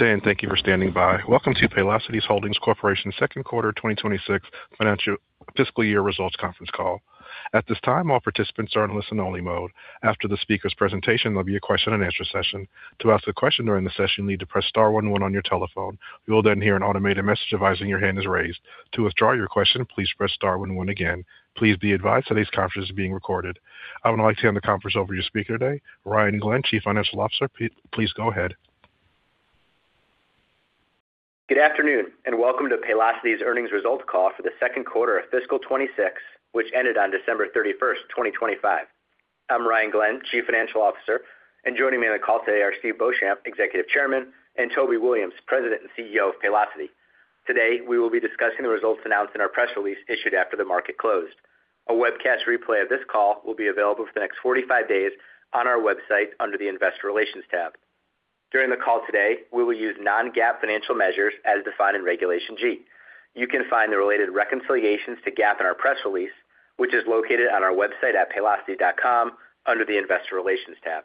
Good day and thank you for standing by. Welcome to Paylocity Holding Corporation Q2 2026 Financial Fiscal Year Results Conference Call. At this time, all participants are in listen-only mode. After the speaker's presentation, there'll be a question-and-answer session. To ask a question during the session, you need to press star one one on your telephone. You will then hear an automated message advising that your hand is raised. To withdraw your question, please press star one one again. Please be advised today's conference is being recorded. I would like to hand the conference over to your speaker today, Ryan Glenn, Chief Financial Officer. Please go ahead. Good afternoon and welcome to Paylocity's Earnings Results Call For The Q2 of Fiscal 2026, which ended on December 31st, 2025. I'm Ryan Glenn, Chief Financial Officer, and joining me on the call today are Steve Beauchamp, Executive Chairman, and Toby Williams, President and CEO of Paylocity. Today, we will be discussing the results announced in our press release issued after the market closed. A webcast replay of this call will be available for the next 45 days on our website under the Investor Relations tab. During the call today, we will use non-GAAP financial measures as defined in Regulation G. You can find the related reconciliations to GAAP in our press release, which is located on our website at paylocity.com under the Investor Relations tab.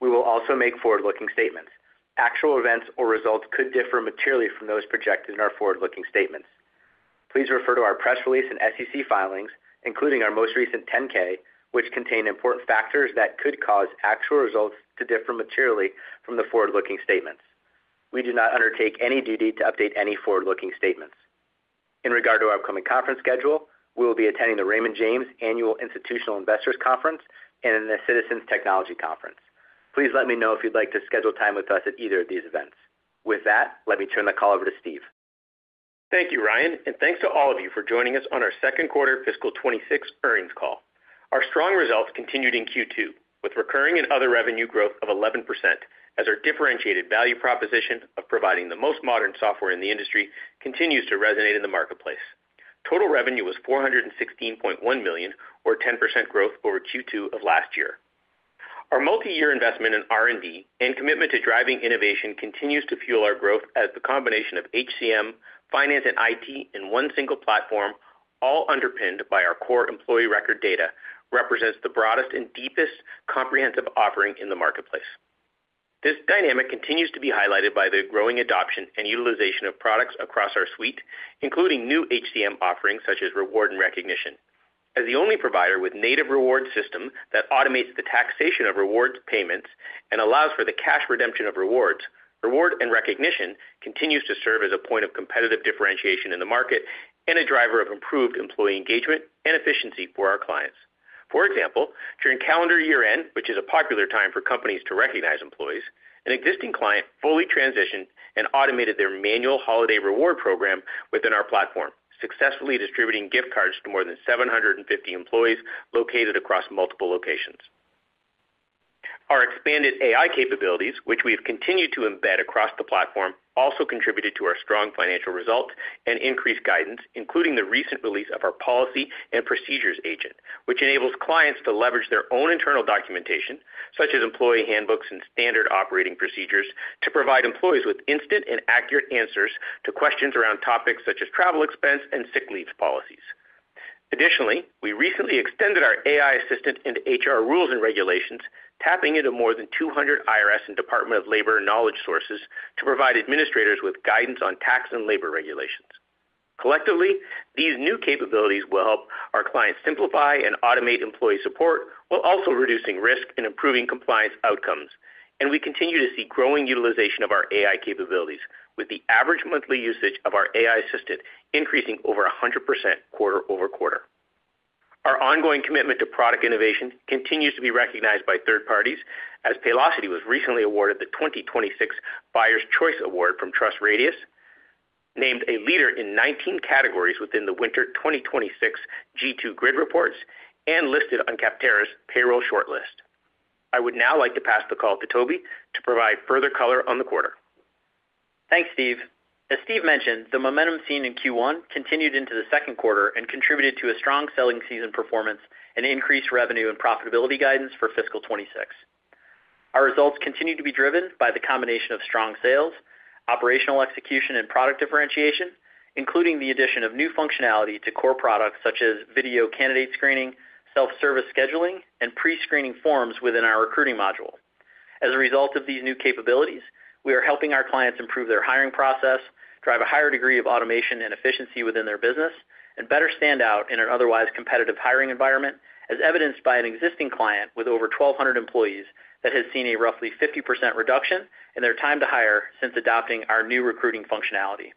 We will also make forward-looking statements. Actual events or results could differ materially from those projected in our forward-looking statements. Please refer to our press release and SEC filings, including our most recent 10-K, which contain important factors that could cause actual results to differ materially from the forward-looking statements. We do not undertake any duty to update any forward-looking statements. In regard to our upcoming conference schedule, we will be attending the Raymond James Annual Institutional Investors Conference and the Citizens Technology Conference. Please let me know if you'd like to schedule time with us at either of these events. With that, let me turn the call over to Steve. Thank you, Ryan, and thanks to all of you for joining us on our Q2 fiscal 2026 earnings call. Our strong results continued in Q2, with recurring and other revenue growth of 11% as our differentiated value proposition of providing the most modern software in the industry continues to resonate in the marketplace. Total revenue was $416.1 million, or 10% growth over Q2 of last year. Our multi-year investment in R&D and commitment to driving innovation continues to fuel our growth as the combination of HCM, finance, and IT in one single platform, all underpinned by our core employee record data, represents the broadest and deepest comprehensive offering in the marketplace. This dynamic continues to be highlighted by the growing adoption and utilization of products across our suite, including new HCM offerings such as Reward and Recognition. As the only provider with a native reward system that automates the taxation of rewards payments and allows for the cash redemption of rewards, Reward and Recognition continues to serve as a point of competitive differentiation in the market and a driver of improved employee engagement and efficiency for our clients. For example, during calendar year-end, which is a popular time for companies to recognize employees, an existing client fully transitioned and automated their manual holiday reward program within our platform, successfully distributing gift cards to more than 750 employees located across multiple locations. Our expanded AI capabilities, which we have continued to embed across the platform, also contributed to our strong financial results and increased guidance, including the recent release of our Policy and Procedures Agent, which enables clients to leverage their own internal documentation, such as employee handbooks and standard operating procedures, to provide employees with instant and accurate answers to questions around topics such as travel expense and sick leave policies. Additionally, we recently extended our AI Assistant into HR rules and regulations, tapping into more than 200 IRS and Department of Labor knowledge sources to provide administrators with guidance on tax and labor regulations. Collectively, these new capabilities will help our clients simplify and automate employee support while also reducing risk and improving compliance outcomes, and we continue to see growing utilization of our AI capabilities, with the average monthly usage of our AI Assistant increasing over 100% QoQ. Our ongoing commitment to product innovation continues to be recognized by third parties, as Paylocity was recently awarded the 2026 Buyer's Choice Award from TrustRadius, named a leader in 19 categories within the Winter 2026 G2 Grid Reports, and listed on Capterra's payroll shortlist. I would now like to pass the call to Toby to provide further color on the quarter. Thanks, Steve. As Steve mentioned, the momentum seen in Q1 continued into the Q2 and contributed to a strong selling season performance and increased revenue and profitability guidance for fiscal 2026. Our results continue to be driven by the combination of strong sales, operational execution, and product differentiation, including the addition of new functionality to core products such as video candidate screening, self-service scheduling, and pre-screening forms within our recruiting module. As a result of these new capabilities, we are helping our clients improve their hiring process, drive a higher degree of automation and efficiency within their business, and better stand out in an otherwise competitive hiring environment, as evidenced by an existing client with over 1,200 employees that has seen a roughly 50% reduction in their time to hire since adopting our new recruiting functionality.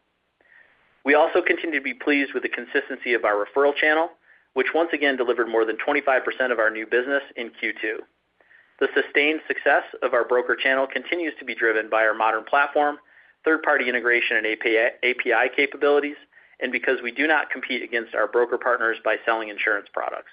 We also continue to be pleased with the consistency of our referral channel, which once again delivered more than 25% of our new business in Q2. The sustained success of our broker channel continues to be driven by our modern platform, third-party integration, and API capabilities, and because we do not compete against our broker partners by selling insurance products.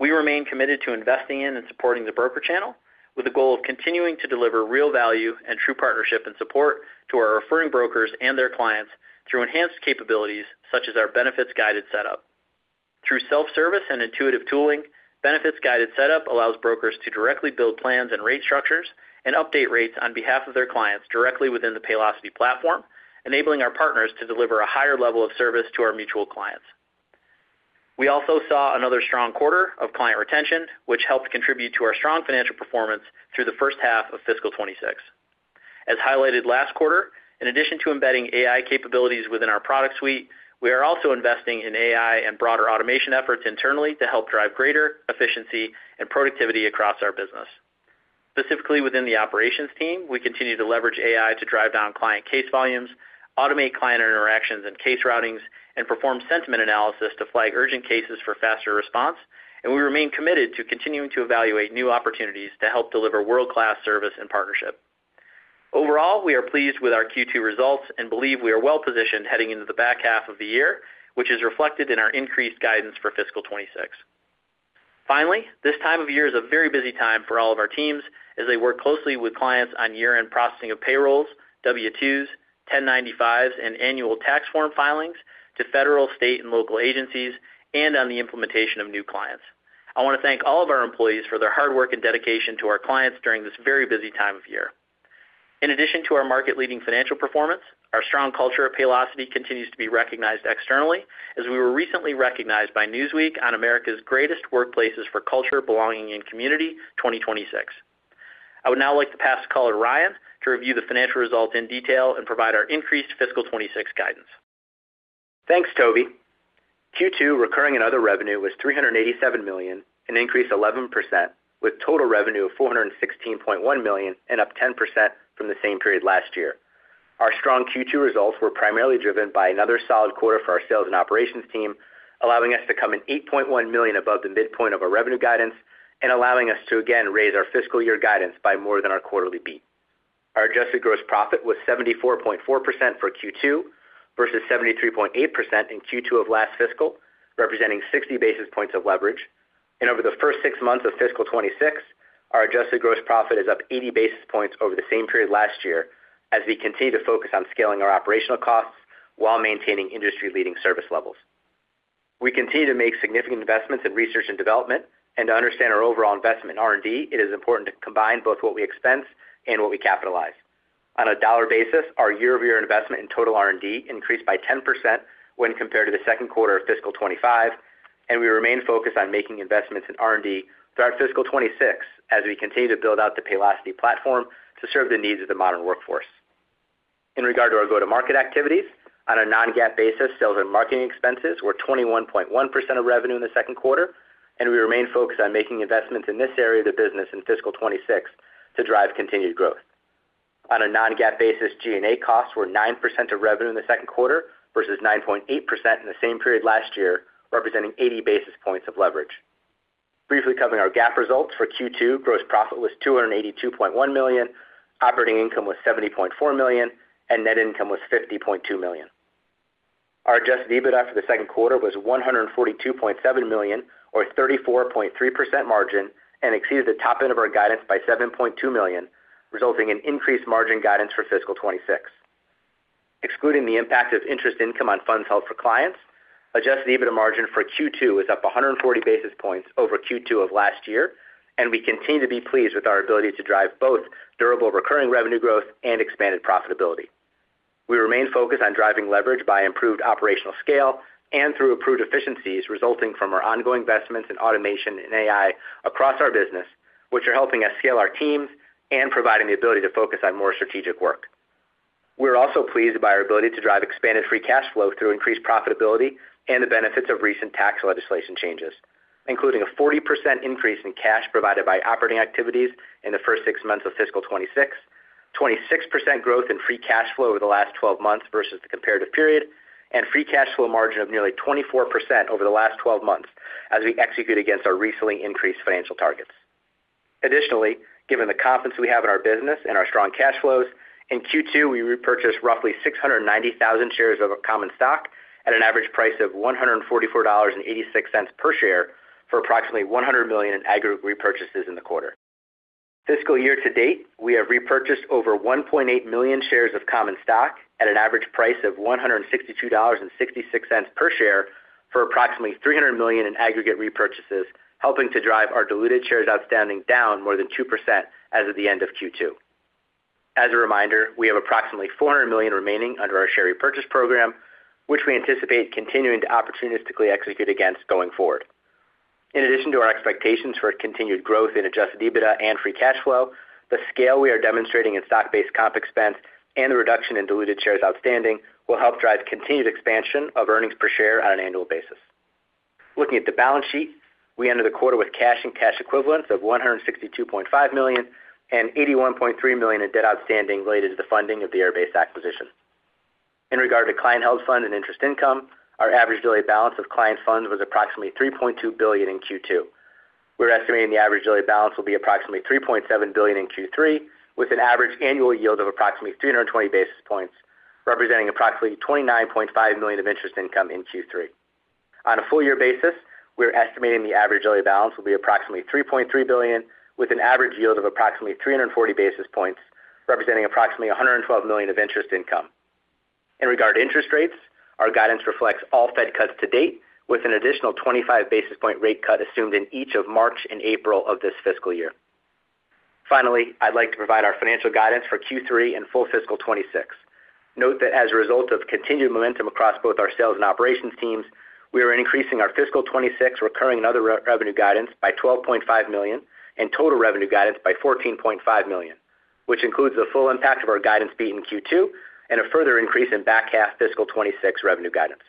We remain committed to investing in and supporting the broker channel, with the goal of continuing to deliver real value and true partnership and support to our referring brokers and their clients through enhanced capabilities such as our Benefits-Guided Setup. Through self-service and intuitive tooling, Benefits-Guided Setup allows brokers to directly build plans and rate structures and update rates on behalf of their clients directly within the Paylocity platform, enabling our partners to deliver a higher level of service to our mutual clients. We also saw another strong quarter of client retention, which helped contribute to our strong financial performance through the H1 of fiscal 2026. As highlighted last quarter, in addition to embedding AI capabilities within our product suite, we are also investing in AI and broader automation efforts internally to help drive greater efficiency and productivity across our business. Specifically within the operations team, we continue to leverage AI to drive down client case volumes, automate client interactions and case routings, and perform sentiment analysis to flag urgent cases for faster response, and we remain committed to continuing to evaluate new opportunities to help deliver world-class service and partnership. Overall, we are pleased with our Q2 results and believe we are well-positioned heading into the back half of the year, which is reflected in our increased guidance for fiscal 2026. Finally, this time of year is a very busy time for all of our teams as they work closely with clients on year-end processing of payrolls, W-2s, 1095s, and annual tax form filings to federal, state, and local agencies, and on the implementation of new clients. I want to thank all of our employees for their hard work and dedication to our clients during this very busy time of year. In addition to our market-leading financial performance, our strong culture at Paylocity continues to be recognized externally, as we were recently recognized by Newsweek on America's Greatest Workplaces for Culture, Belonging, and Community 2026. I would now like to pass the call to Ryan to review the financial results in detail and provide our increased fiscal 2026 guidance. Thanks, Toby. Q2 recurring and other revenue was $387 million, an increase of 11%, with total revenue of $416.1 million and up 10% from the same period last year. Our strong Q2 results were primarily driven by another solid quarter for our sales and operations team, allowing us to come $8.1 million above the midpoint of our revenue guidance, and allowing us to again raise our fiscal year guidance by more than our quarterly beat. Our adjusted gross profit was 74.4% for Q2 versus 73.8% in Q2 of last fiscal, representing 60 basis points of leverage. Over the first six months of fiscal 2026, our adjusted gross profit is up 80 basis points over the same period last year, as we continue to focus on scaling our operational costs while maintaining industry-leading service levels. We continue to make significant investments in research and development, and to understand our overall investment in R&D, it is important to combine both what we expense and what we capitalize. On a dollar basis, our year-over-year investment in total R&D increased by 10% when compared to the Q2 of fiscal 2025, and we remain focused on making investments in R&D throughout fiscal 2026 as we continue to build out the Paylocity platform to serve the needs of the modern workforce. In regard to our go-to-market activities, on a non-GAAP basis, sales and marketing expenses were 21.1% of revenue in the Q2, and we remain focused on making investments in this area of the business in fiscal 2026 to drive continued growth. On a non-GAAP basis, G&A costs were 9% of revenue in the Q2 versus 9.8% in the same period last year, representing 80 basis points of leverage. Briefly covering our GAAP results for Q2, gross profit was $282.1 million, operating income was $70.4 million, and net income was $50.2 million. Our adjusted EBITDA for the Q2 was $142.7 million, or 34.3% margin, and exceeded the top end of our guidance by $7.2 million, resulting in increased margin guidance for fiscal 2026. Excluding the impact of interest income on funds held for clients, adjusted EBITDA margin for Q2 is up 140 basis points over Q2 of last year, and we continue to be pleased with our ability to drive both durable recurring revenue growth and expanded profitability. We remain focused on driving leverage by improved operational scale and through approved efficiencies resulting from our ongoing investments in automation and AI across our business, which are helping us scale our teams and providing the ability to focus on more strategic work. We are also pleased by our ability to drive expanded free cash flow through increased profitability and the benefits of recent tax legislation changes, including a 40% increase in cash provided by operating activities in the first six months of fiscal 2026, 26% growth in free cash flow over the last 12 months versus the comparative period, and free cash flow margin of nearly 24% over the last 12 months as we execute against our recently increased financial targets. Additionally, given the confidence we have in our business and our strong cash flows, in Q2 we repurchased roughly 690,000 shares of common stock at an average price of $144.86 per share for approximately $100 million in aggregate repurchases in the quarter. Fiscal year to date, we have repurchased over 1.8 million shares of common stock at an average price of $162.66 per share for approximately $300 million in aggregate repurchases, helping to drive our diluted shares outstanding down more than 2% as of the end of Q2. As a reminder, we have approximately $400 million remaining under our share repurchase program, which we anticipate continuing to opportunistically execute against going forward. In addition to our expectations for continued growth in Adjusted EBITDA and Free Cash Flow, the scale we are demonstrating in stock-based comp expense and the reduction in diluted shares outstanding will help drive continued expansion of earnings per share on an annual basis. Looking at the balance sheet, we ended the quarter with cash and cash equivalents of $162.5 million and $81.3 million in debt outstanding related to the funding of the Airbase acquisition. In regard to client-held fund and interest income, our average daily balance of client funds was approximately $3.2 billion in Q2. We're estimating the average daily balance will be approximately $3.7 billion in Q3, with an average annual yield of approximately 320 basis points, representing approximately $29.5 million of interest income in Q3. On a full-year basis, we're estimating the average daily balance will be approximately $3.3 billion, with an average yield of approximately 340 basis points, representing approximately $112 million of interest income. In regard to interest rates, our guidance reflects all Fed cuts to date, with an additional 25 basis point rate cut assumed in each of March and April of this fiscal year. Finally, I'd like to provide our financial guidance for Q3 and full fiscal 2026. Note that as a result of continued momentum across both our sales and operations teams, we are increasing our fiscal 2026 recurring and other revenue guidance by $12.5 million and total revenue guidance by $14.5 million, which includes the full impact of our guidance beat in Q2 and a further increase in back half fiscal 2026 revenue guidance.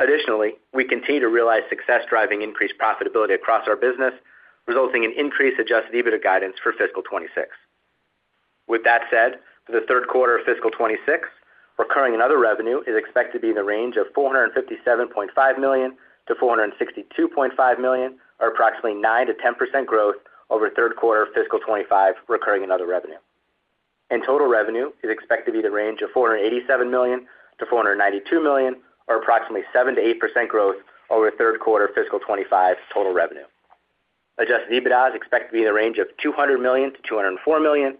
Additionally, we continue to realize success driving increased profitability across our business, resulting in increased Adjusted EBITDA guidance for fiscal 2026. With that said, for the Q3 of fiscal 2026, recurring and other revenue is expected to be in the range of $457.5 million-$462.5 million, or approximately 9%-10% growth over Q3 fiscal 2025 recurring and other revenue. And total revenue is expected to be in the range of $487 million-$492 million, or approximately 7%-8% growth over Q3 fiscal 2025 total revenue. Adjusted EBITDA is expected to be in the range of $200 million-$204 million,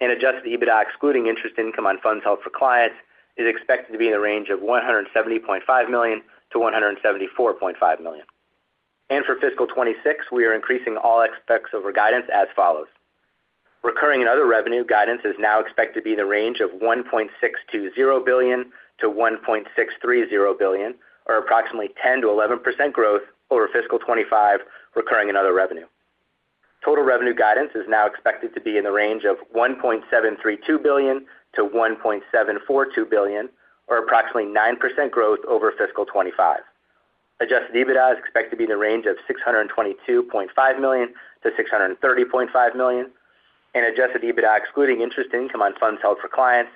and Adjusted EBITDA excluding interest income on funds held for clients is expected to be in the range of $170.5 million-$174.5 million. And for fiscal 2026, we are increasing all aspects of our guidance as follows. Recurring and other revenue guidance is now expected to be in the range of $1.620 billion-$1.630 billion, or approximately 10%-11% growth over fiscal 2025 recurring and other revenue. Total revenue guidance is now expected to be in the range of $1.732 billion-$1.742 billion, or approximately 9% growth over fiscal 2025. Adjusted EBITDA is expected to be in the range of $622.5 million-$630.5 million, and adjusted EBITDA excluding interest income on funds held for clients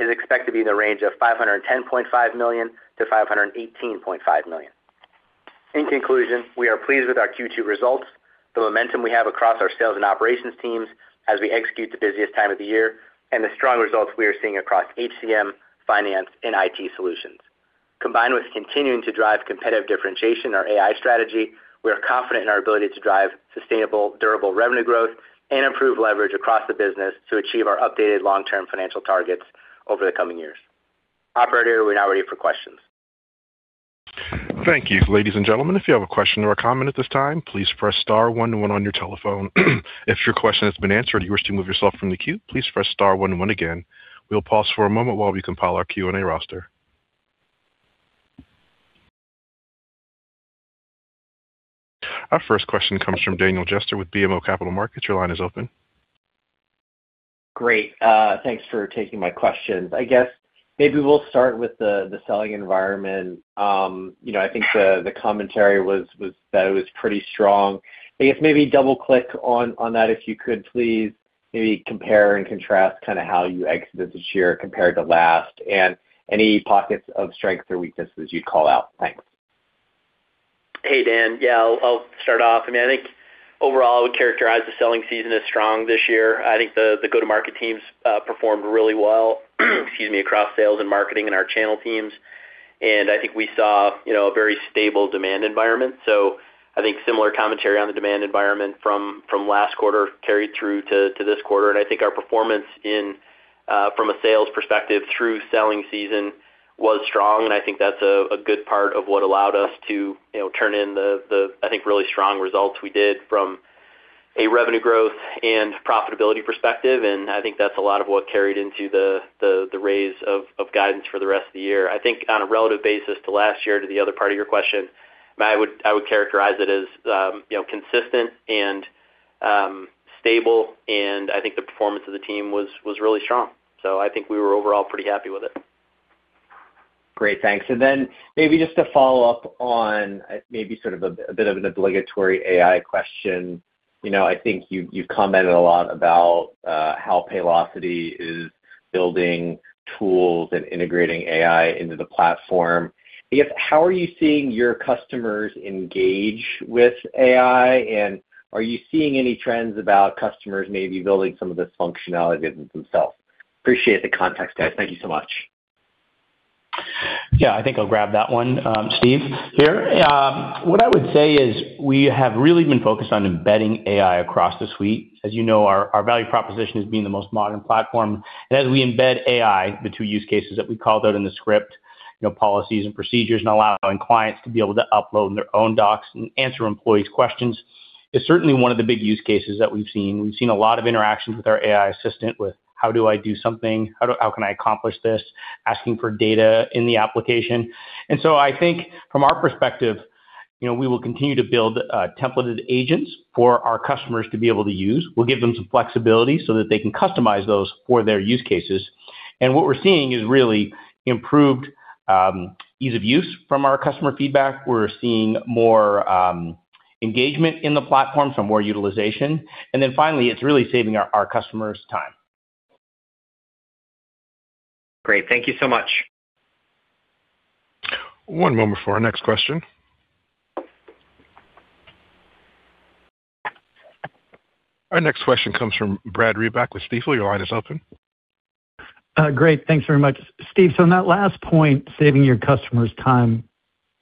is expected to be in the range of $510.5 million-$518.5 million. In conclusion, we are pleased with our Q2 results, the momentum we have across our sales and operations teams as we execute the busiest time of the year, and the strong results we are seeing across HCM, finance, and IT solutions. Combined with continuing to drive competitive differentiation, our AI strategy, we are confident in our ability to drive sustainable, durable revenue growth and improve leverage across the business to achieve our updated long-term financial targets over the coming years. Operator, we're now ready for questions. Thank you. Ladies and gentlemen, if you have a question or a comment at this time, please press star one one on your telephone. If your question has been answered and you wish to move yourself from the queue, please press star one one again. We'll pause for a moment while we compile our Q&A roster. Our first question comes from Daniel Jester with BMO Capital Markets. Your line is open. Great. Thanks for taking my questions. I guess maybe we'll start with the selling environment. I think the commentary was that it was pretty strong. I guess maybe double-click on that if you could, please. Maybe compare and contrast kind of how you exited this year compared to last, and any pockets of strengths or weaknesses you'd call out. Thanks. Hey, Dan. Yeah, I'll start off. I mean, I think overall I would characterize the selling season as strong this year. I think the go-to-market teams performed really well across sales and marketing and our channel teams, and I think we saw a very stable demand environment. I think similar commentary on the demand environment from last quarter carried through to this quarter. I think our performance from a sales perspective through selling season was strong, and I think that's a good part of what allowed us to turn in the, I think, really strong results we did from a revenue growth and profitability perspective, and I think that's a lot of what carried into the raise of guidance for the rest of the year. I think on a relative basis to last year, to the other part of your question, I would characterize it as consistent and stable, and I think the performance of the team was really strong. I think we were overall pretty happy with it. Great. Thanks. And then maybe just to follow up on maybe sort of a bit of an obligatory AI question, I think you've commented a lot about how Paylocity is building tools and integrating AI into the platform. I guess how are you seeing your customers engage with AI, and are you seeing any trends about customers maybe building some of this functionality with themselves? Appreciate the context, guys. Thank you so much. Yeah, I think I'll grab that one, Steve, here. What I would say is we have really been focused on embedding AI across the suite. As you know, our value proposition is being the most modern platform, and as we embed AI, the two use cases that we called out in the script, policies and procedures, and allowing clients to be able to upload their own docs and answer employees' questions is certainly one of the big use cases that we've seen. We've seen a lot of interactions with our AI assistant with, "How do I do something? How can I accomplish this?" asking for data in the application. And so I think from our perspective, we will continue to build templated agents for our customers to be able to use. We'll give them some flexibility so that they can customize those for their use cases. What we're seeing is really improved ease of use from our customer feedback. We're seeing more engagement in the platform from our utilization. Then finally, it's really saving our customers' time. Great. Thank you so much. One moment for our next question. Our next question comes from Brad Reback with Stifel. Your line is open. Great. Thanks very much. Steve, so in that last point, saving your customers' time,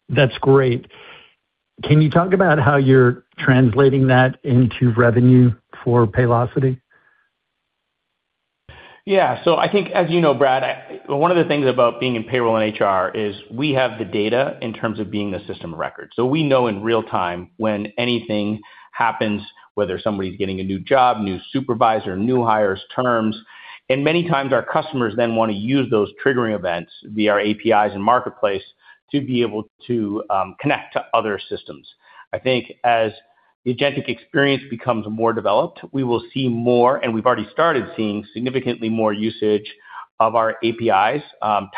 that's great. Can you talk about how you're translating that into revenue for Paylocity? Yeah. So I think, as you know, Brad, one of the things about being in payroll and HR is we have the data in terms of being the system of record. So we know in real time when anything happens, whether somebody's getting a new job, new supervisor, new hire's terms. And many times our customers then want to use those triggering events via our APIs and marketplace to be able to connect to other systems. I think as the agentic experience becomes more developed, we will see more, and we've already started seeing significantly more usage of our APIs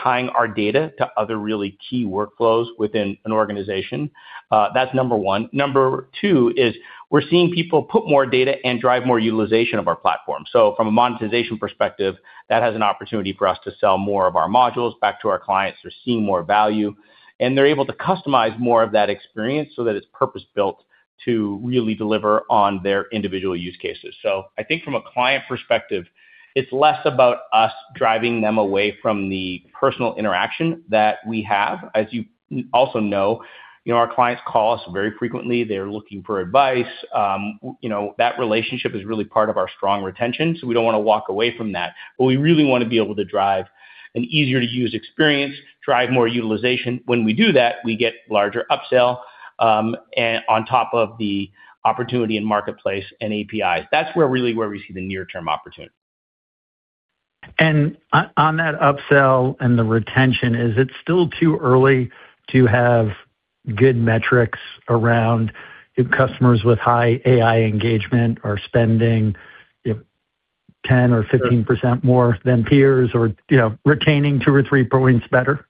tying our data to other really key workflows within an organization. That's number one. Number two is we're seeing people put more data and drive more utilization of our platform. So from a monetization perspective, that has an opportunity for us to sell more of our modules back to our clients. They're seeing more value, and they're able to customize more of that experience so that it's purpose-built to really deliver on their individual use cases. So I think from a client perspective, it's less about us driving them away from the personal interaction that we have. As you also know, our clients call us very frequently. They're looking for advice. That relationship is really part of our strong retention, so we don't want to walk away from that. But we really want to be able to drive an easier-to-use experience, drive more utilization. When we do that, we get larger upsell on top of the opportunity in marketplace and APIs. That's really where we see the near-term opportunity. On that upsell and the retention, is it still too early to have good metrics around if customers with high AI engagement are spending 10% or 15% more than peers or retaining two or three points better?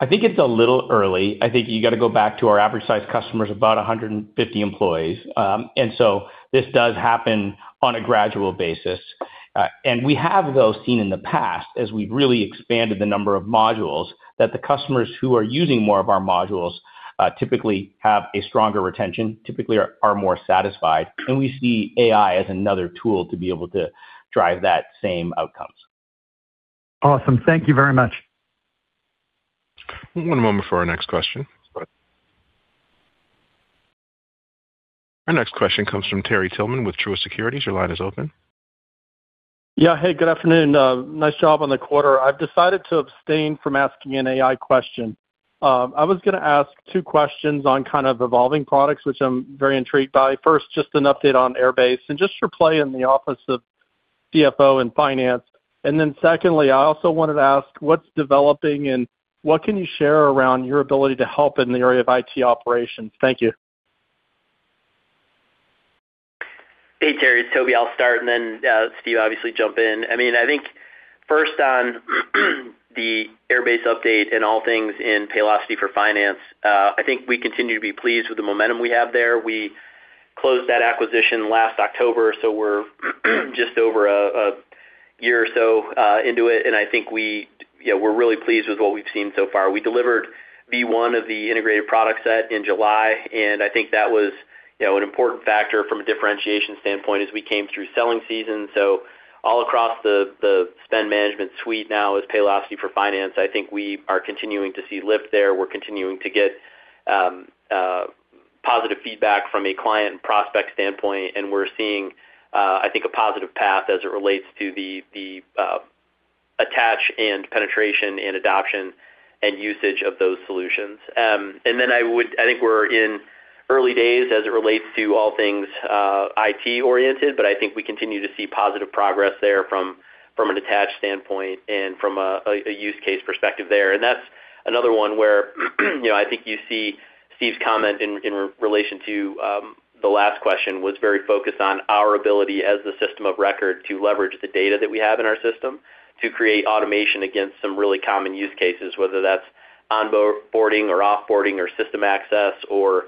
I think it's a little early. I think you got to go back to our average-sized customers, about 150 employees. And so this does happen on a gradual basis. And we have, though, seen in the past, as we've really expanded the number of modules, that the customers who are using more of our modules typically have a stronger retention, typically are more satisfied, and we see AI as another tool to be able to drive that same outcomes. Awesome. Thank you very much. One moment for our next question. Our next question comes from Terry Tillman with Truist Securities. Your line is open. Yeah. Hey, good afternoon. Nice job on the quarter. I've decided to abstain from asking an AI question. I was going to ask two questions on kind of evolving products, which I'm very intrigued by. First, just an update on Airbase and just your play in the office of CFO and finance. Then secondly, I also wanted to ask, what's developing and what can you share around your ability to help in the area of IT operations? Thank you. Hey, Terry. It's Toby. I'll start, and then Steve, obviously, jump in. I mean, I think first on the Airbase update and all things in Paylocity for Finance, I think we continue to be pleased with the momentum we have there. We closed that acquisition last October, so we're just over a year or so into it, and I think we're really pleased with what we've seen so far. We delivered V1 of the integrated product set in July, and I think that was an important factor from a differentiation standpoint as we came through selling season. So all across the spend management suite now is Paylocity for Finance. I think we are continuing to see lift there. We're continuing to get positive feedback from a client and prospect standpoint, and we're seeing, I think, a positive path as it relates to the attach and penetration and adoption and usage of those solutions. And then I think we're in early days as it relates to all things IT-oriented, but I think we continue to see positive progress there from an attach standpoint and from a use case perspective there. And that's another one where I think you see Steve's comment in relation to the last question was very focused on our ability as the system of record to leverage the data that we have in our system to create automation against some really common use cases, whether that's onboarding or offboarding or system access or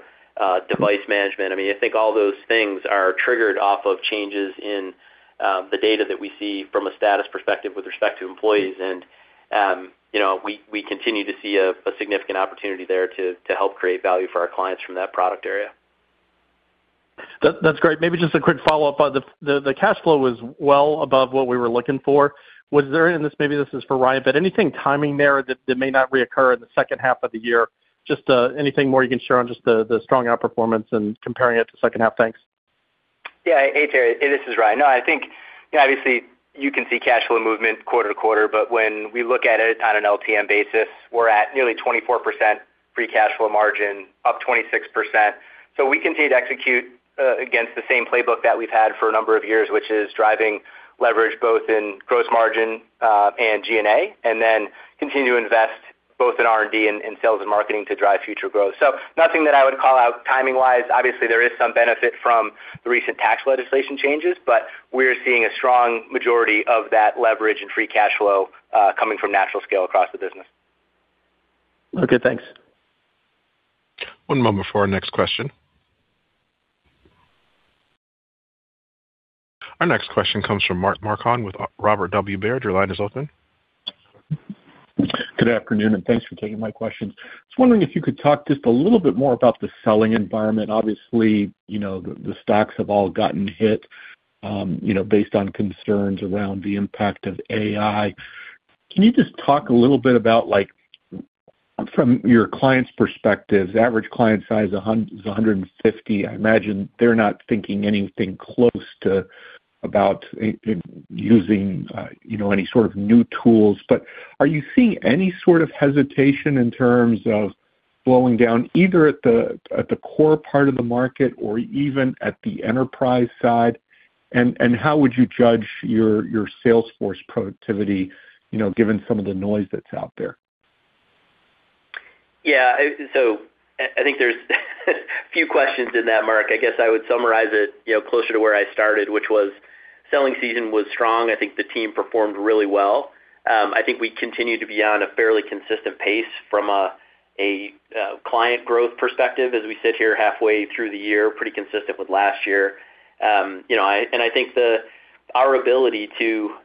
device management. I mean, I think all those things are triggered off of changes in the data that we see from a status perspective with respect to employees, and we continue to see a significant opportunity there to help create value for our clients from that product area. That's great. Maybe just a quick follow-up. The cash flow was well above what we were looking for. Was there any and maybe this is for Ryan, but anything timing there that may not reoccur in the H2 of the year? Just anything more you can share on just the strong outperformance and comparing it to H2? Thanks. Yeah. Hey, Terry. This is Ryan. No, I think obviously, you can see cash flow movement quarter to quarter, but when we look at it on an LTM basis, we're at nearly 24% free cash flow margin, up 26%. So we continue to execute against the same playbook that we've had for a number of years, which is driving leverage both in gross margin and G&A, and then continue to invest both in R&D and sales and marketing to drive future growth. So nothing that I would call out timing-wise. Obviously, there is some benefit from the recent tax legislation changes, but we're seeing a strong majority of that leverage and free cash flow coming from natural scale across the business. Okay. Thanks. One moment for our next question. Our next question comes from Mark Marcon with Robert W. Baird. Your line is open. Good afternoon, and thanks for taking my questions. I was wondering if you could talk just a little bit more about the selling environment. Obviously, the stocks have all gotten hit based on concerns around the impact of AI. Can you just talk a little bit about from your clients' perspectives? Average client size is 150. I imagine they're not thinking anything close to using any sort of new tools, but are you seeing any sort of hesitation in terms of slowing down either at the core part of the market or even at the enterprise side? And how would you judge your sales force productivity given some of the noise that's out there? Yeah. So I think there's a few questions in that, Mark. I guess I would summarize it closer to where I started, which was selling season was strong. I think the team performed really well. I think we continue to be on a fairly consistent pace from a client growth perspective as we sit here halfway through the year, pretty consistent with last year. And I think our ability to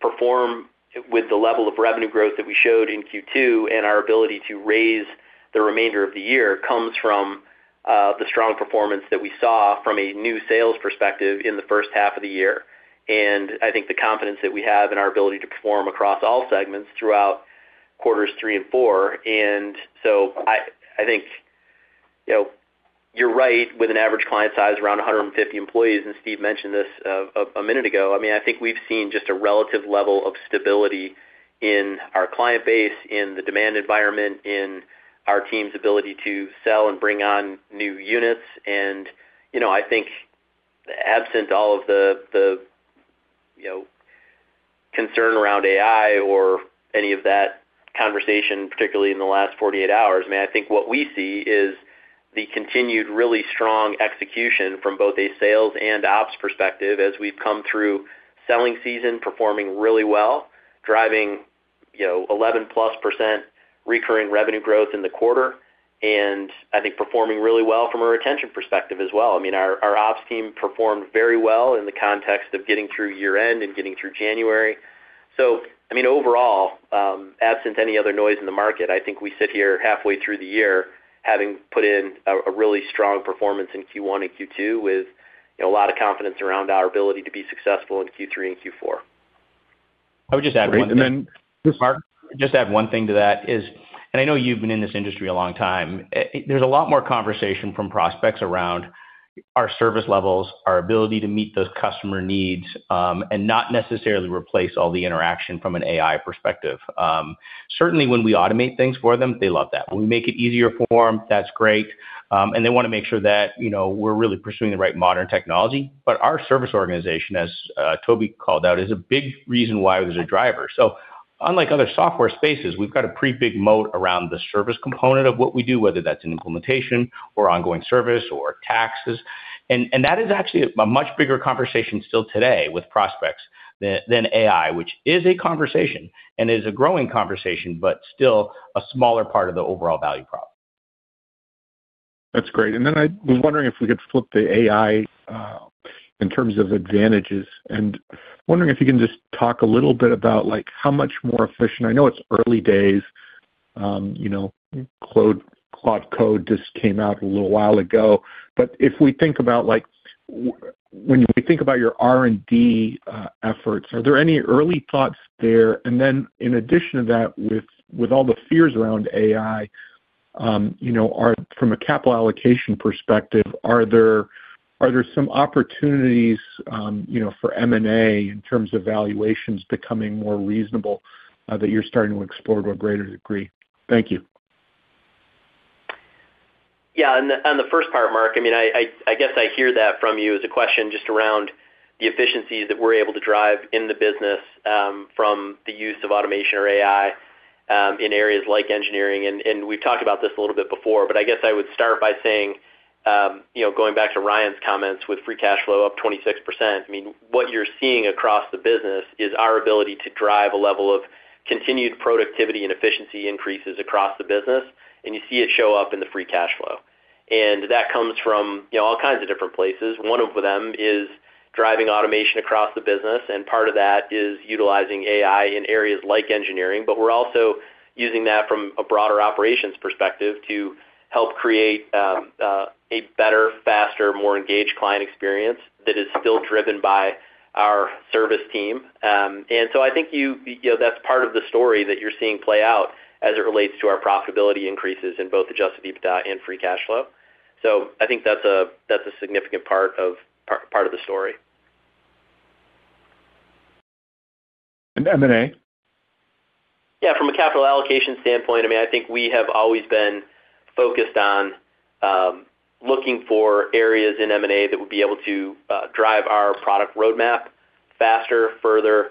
perform with the level of revenue growth that we showed in Q2 and our ability to raise the remainder of the year comes from the strong performance that we saw from a new sales perspective in the H1 of the year, and I think the confidence that we have in our ability to perform across all segments throughout quarters 3 and 4. I think you're right with an average client size around 150 employees, and Steve mentioned this a minute ago. I mean, I think we've seen just a relative level of stability in our client base, in the demand environment, in our team's ability to sell and bring on new units. I think absent all of the concern around AI or any of that conversation, particularly in the last 48 hours, I mean, I think what we see is the continued really strong execution from both a sales and ops perspective as we've come through selling season, performing really well, driving 11% plus recurring revenue growth in the quarter, and I think performing really well from a retention perspective as well. I mean, our ops team performed very well in the context of getting through year-end and getting through January. So I mean, overall, absent any other noise in the market, I think we sit here halfway through the year having put in a really strong performance in Q1 and Q2 with a lot of confidence around our ability to be successful in Q3 and Q4. I would just add one thing. And then, Mark, just add one thing to that is, and I know you've been in this industry a long time. There's a lot more conversation from prospects around our service levels, our ability to meet those customer needs, and not necessarily replace all the interaction from an AI perspective. Certainly, when we automate things for them, they love that. When we make it easier for them, that's great. And they want to make sure that we're really pursuing the right modern technology. But our service organization, as Toby called out, is a big reason why there's a driver. So unlike other software spaces, we've got a pretty big moat around the service component of what we do, whether that's in implementation or ongoing service or taxes. That is actually a much bigger conversation still today with prospects than AI, which is a conversation and is a growing conversation, but still a smaller part of the overall value prop. That's great. And then I was wondering if we could flip the AI in terms of advantages. And wondering if you can just talk a little bit about how much more efficient. I know it's early days. Claude Code just came out a little while ago. But if we think about when we think about your R&D efforts, are there any early thoughts there? And then in addition to that, with all the fears around AI, from a capital allocation perspective, are there some opportunities for M&A in terms of valuations becoming more reasonable that you're starting to explore to a greater degree? Thank you. Yeah. On the first part, Mark, I mean, I guess I hear that from you as a question just around the efficiencies that we're able to drive in the business from the use of automation or AI in areas like engineering. And we've talked about this a little bit before, but I guess I would start by saying, going back to Ryan's comments with free cash flow up 26%, I mean, what you're seeing across the business is our ability to drive a level of continued productivity and efficiency increases across the business, and you see it show up in the free cash flow. And that comes from all kinds of different places. One of them is driving automation across the business, and part of that is utilizing AI in areas like engineering. But we're also using that from a broader operations perspective to help create a better, faster, more engaged client experience that is still driven by our service team. And so I think that's part of the story that you're seeing play out as it relates to our profitability increases in both Adjusted EBITDA and Free Cash Flow. So I think that's a significant part of the story. And M&A? Yeah. From a capital allocation standpoint, I mean, I think we have always been focused on looking for areas in M&A that would be able to drive our product roadmap faster, further,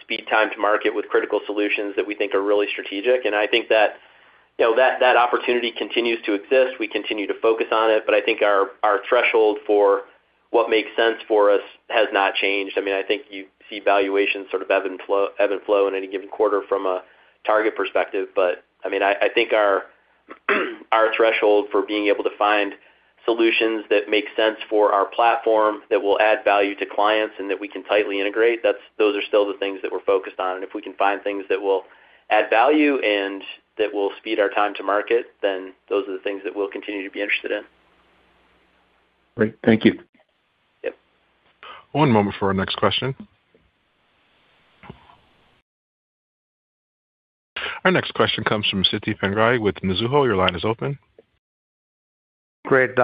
speed time to market with critical solutions that we think are really strategic. I think that opportunity continues to exist. We continue to focus on it, but I think our threshold for what makes sense for us has not changed. I mean, I think you see valuations sort of ebb and flow in any given quarter from a target perspective. But I mean, I think our threshold for being able to find solutions that make sense for our platform that will add value to clients and that we can tightly integrate, those are still the things that we're focused on. If we can find things that will add value and that will speed our time to market, then those are the things that we'll continue to be interested in. Great. Thank you. Yep. One moment for our next question. Our next question comes from Siti Panigrahi with Mizuho. Your line is open. Great.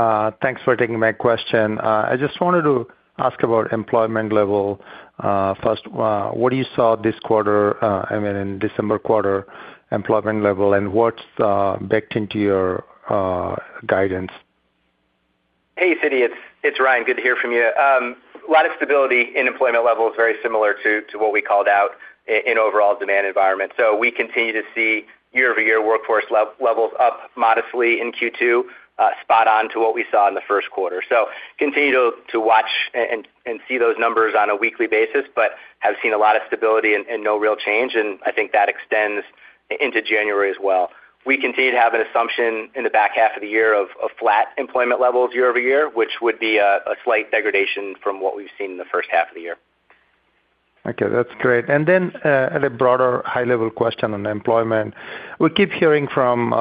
Thanks for taking my question. I just wanted to ask about employment level. First, what did you see this quarter, I mean, in December quarter, employment level, and what's baked into your guidance? Hey, Siti. It's Ryan. Good to hear from you. A lot of stability in employment levels, very similar to what we called out in overall demand environment. So we continue to see year-over-year workforce levels up modestly in Q2, spot-on to what we saw in the Q1. So continue to watch and see those numbers on a weekly basis, but have seen a lot of stability and no real change, and I think that extends into January as well. We continue to have an assumption in the back half of the year of flat employment levels year-over-year, which would be a slight degradation from what we've seen in the H1 of the year. Okay. That's great. And then at a broader, high-level question on employment, we keep hearing from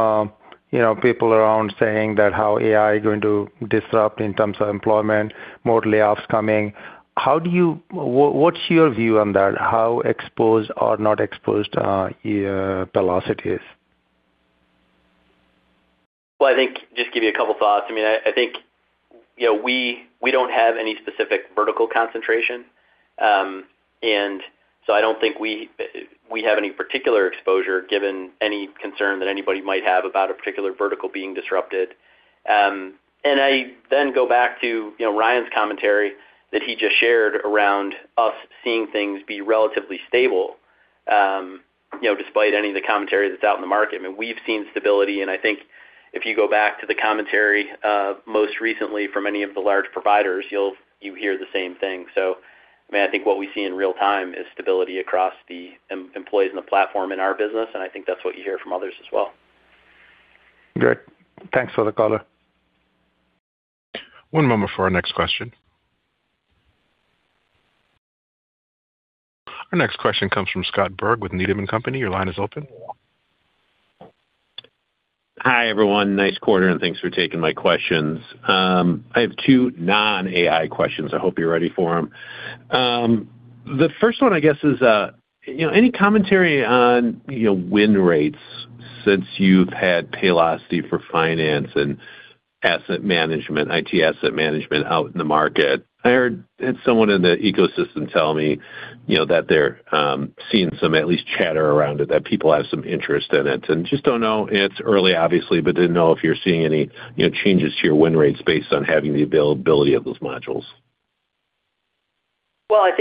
people around saying that how AI is going to disrupt in terms of employment, more layoffs coming. What's your view on that? How exposed or not exposed Paylocity is? Well, I think just give you a couple of thoughts. I mean, I think we don't have any specific vertical concentration, and so I don't think we have any particular exposure given any concern that anybody might have about a particular vertical being disrupted. I then go back to Ryan's commentary that he just shared around us seeing things be relatively stable despite any of the commentary that's out in the market. I mean, we've seen stability, and I think if you go back to the commentary most recently from any of the large providers, you hear the same thing. So I mean, I think what we see in real time is stability across the employees in the platform in our business, and I think that's what you hear from others as well. Great. Thanks for the caller. One moment for our next question. Our next question comes from Scott Berg with Needham & Company. Your line is open. Hi, everyone. Nice quarter, and thanks for taking my questions. I have two non-AI questions. I hope you're ready for them. The first one, I guess, is any commentary on win rates since you've had Paylocity for Finance and asset management, IT asset management, out in the market? I heard someone in the ecosystem tell me that they're seeing some, at least, chatter around it, that people have some interest in it. And just don't know it's early, obviously, but didn't know if you're seeing any changes to your win rates based on having the availability of those modules. Well, I